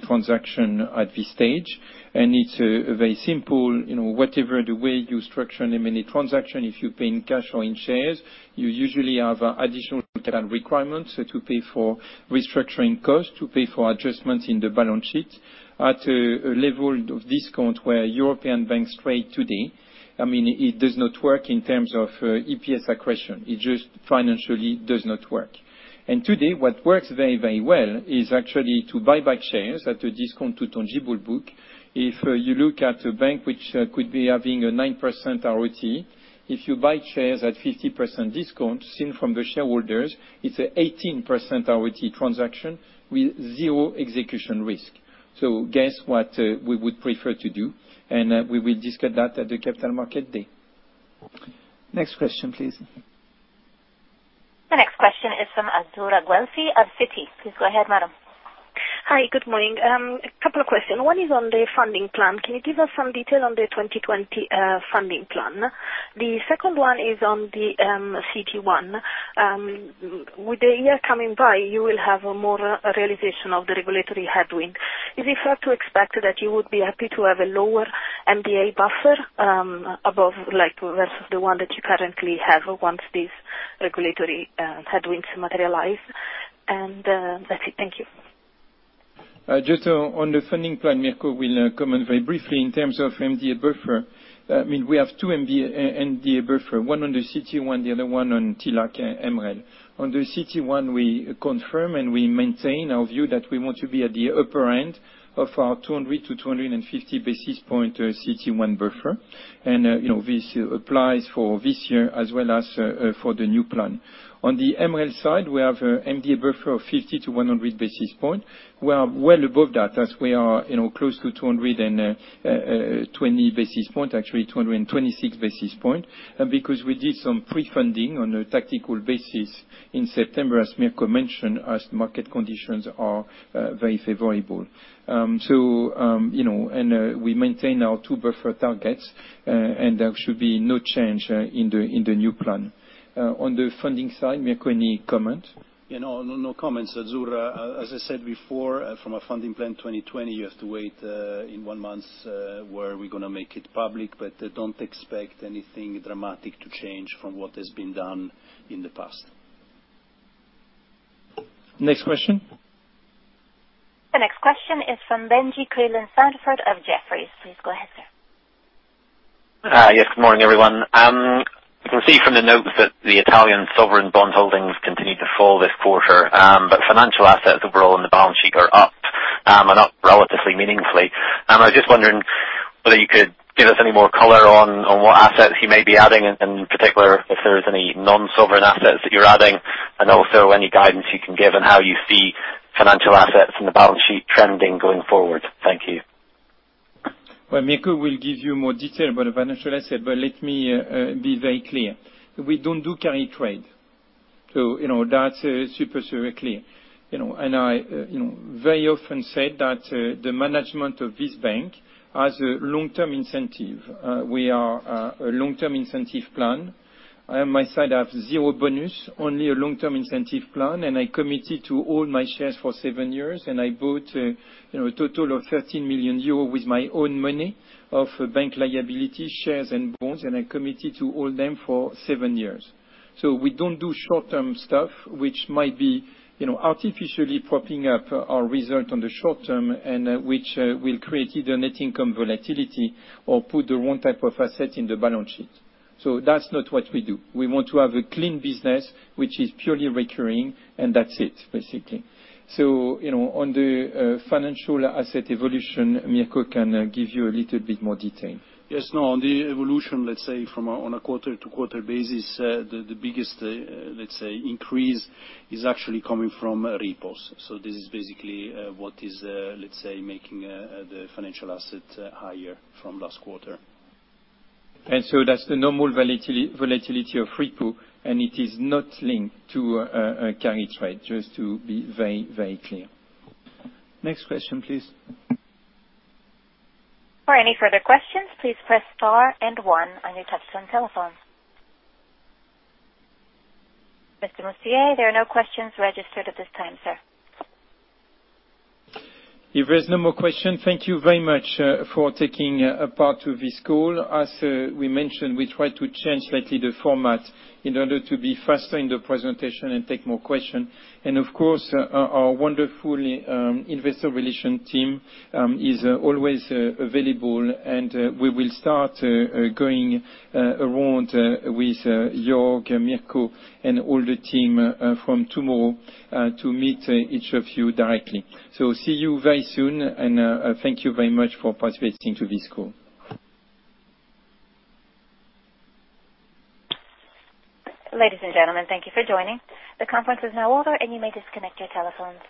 transaction at this stage. It's very simple, whatever the way you structure an M&A transaction, if you pay in cash or in shares, you usually have additional capital requirements to pay for restructuring costs, to pay for adjustments in the balance sheet. At a level of discount where European banks trade today, it does not work in terms of EPS accretion. It just financially does not work. Today, what works very well is actually to buy back shares at a discount to tangible book. If you look at a bank which could be having a 9% ROTE, if you buy shares at 50% discount seen from the shareholders, it's a 18% ROTE transaction with zero execution risk. Guess what we would prefer to do, and we will discuss that at the Capital Market Day. Next question, please. The next question is from Azzurra Guelfi of Citi. Please go ahead, madam. Hi, good morning. A couple of questions. One is on the funding plan. Can you give us some detail on the 2020 funding plan? The second one is on the CET1. With the year coming by, you will have more realization of the regulatory headwind. Is it fair to expect that you would be happy to have a lower MDA buffer above, versus the one that you currently have once these regulatory headwinds materialize? That's it. Thank you. Just on the funding plan, Mirko will comment very briefly in terms of MDA buffer. We have two MDA buffer, one on the CET1, the other one on TLAC/MREL. On the CET1, we confirm and we maintain our view that we want to be at the upper end of our 200-250 basis point CET1 buffer. This applies for this year as well as for the new plan. On the MREL side, we have MDA buffer of 50-100 basis point. We are well above that, as we are close to 220 basis point, actually 226 basis point, and because we did some pre-funding on a tactical basis in September, as Mirko mentioned, as market conditions are very favorable. We maintain our two buffer targets, and there should be no change in the new plan. On the funding side, Mirko, any comment? No comments, Azzurra. As I said before, from a funding plan 2020, you have to wait in one month where we're going to make it public. Don't expect anything dramatic to change from what has been done in the past. Next question. The next question is from Benjie Creelan-Sandford of Jefferies. Please go ahead, sir. Yes, good morning, everyone. We see from the notes that the Italian sovereign bond holdings continued to fall this quarter, financial assets overall on the balance sheet are up, and up relatively meaningfully. I was just wondering whether you could give us any more color on what assets you may be adding, and in particular, if there's any non-sovereign assets that you're adding. Also, any guidance you can give on how you see financial assets in the balance sheet trending going forward. Thank you. Well, Mirko will give you more detail about the financial asset, but let me be very clear. We don't do carry trade. That's super clear. I very often say that the management of this bank has a long-term incentive. We are a long-term incentive plan. On my side, I have zero bonus, only a long-term incentive plan, and I committed to all my shares for seven years, and I bought a total of 13 million euros with my own money of bank liability shares and bonds, and I committed to hold them for seven years. We don't do short-term stuff, which might be artificially propping up our result on the short term, and which will create either net income volatility or put the wrong type of asset in the balance sheet. That's not what we do. We want to have a clean business, which is purely recurring, and that's it, basically. On the financial asset evolution, Mirko can give you a little bit more detail. Yes. On the evolution, let's say from on a quarter to quarter basis, the biggest increase is actually coming from repos. This is basically what is making the financial asset higher from last quarter. That's the normal volatility of repo, and it is not linked to a carry trade, just to be very, very clear. Next question, please. For any further questions, please press star and one on your touch-tone telephone. Mr. Mustier, there are no questions registered at this time, sir. If there's no more question, thank you very much for taking a part of this call. As we mentioned, we try to change slightly the format in order to be faster in the presentation and take more questions. Of course, our wonderful investor relation team is always available, and we will start going around with Jörg, Mirko, and all the team from tomorrow to meet each of you directly. See you very soon, and thank you very much for participating in this call. Ladies and gentlemen, thank you for joining. The conference is now over, and you may disconnect your telephones.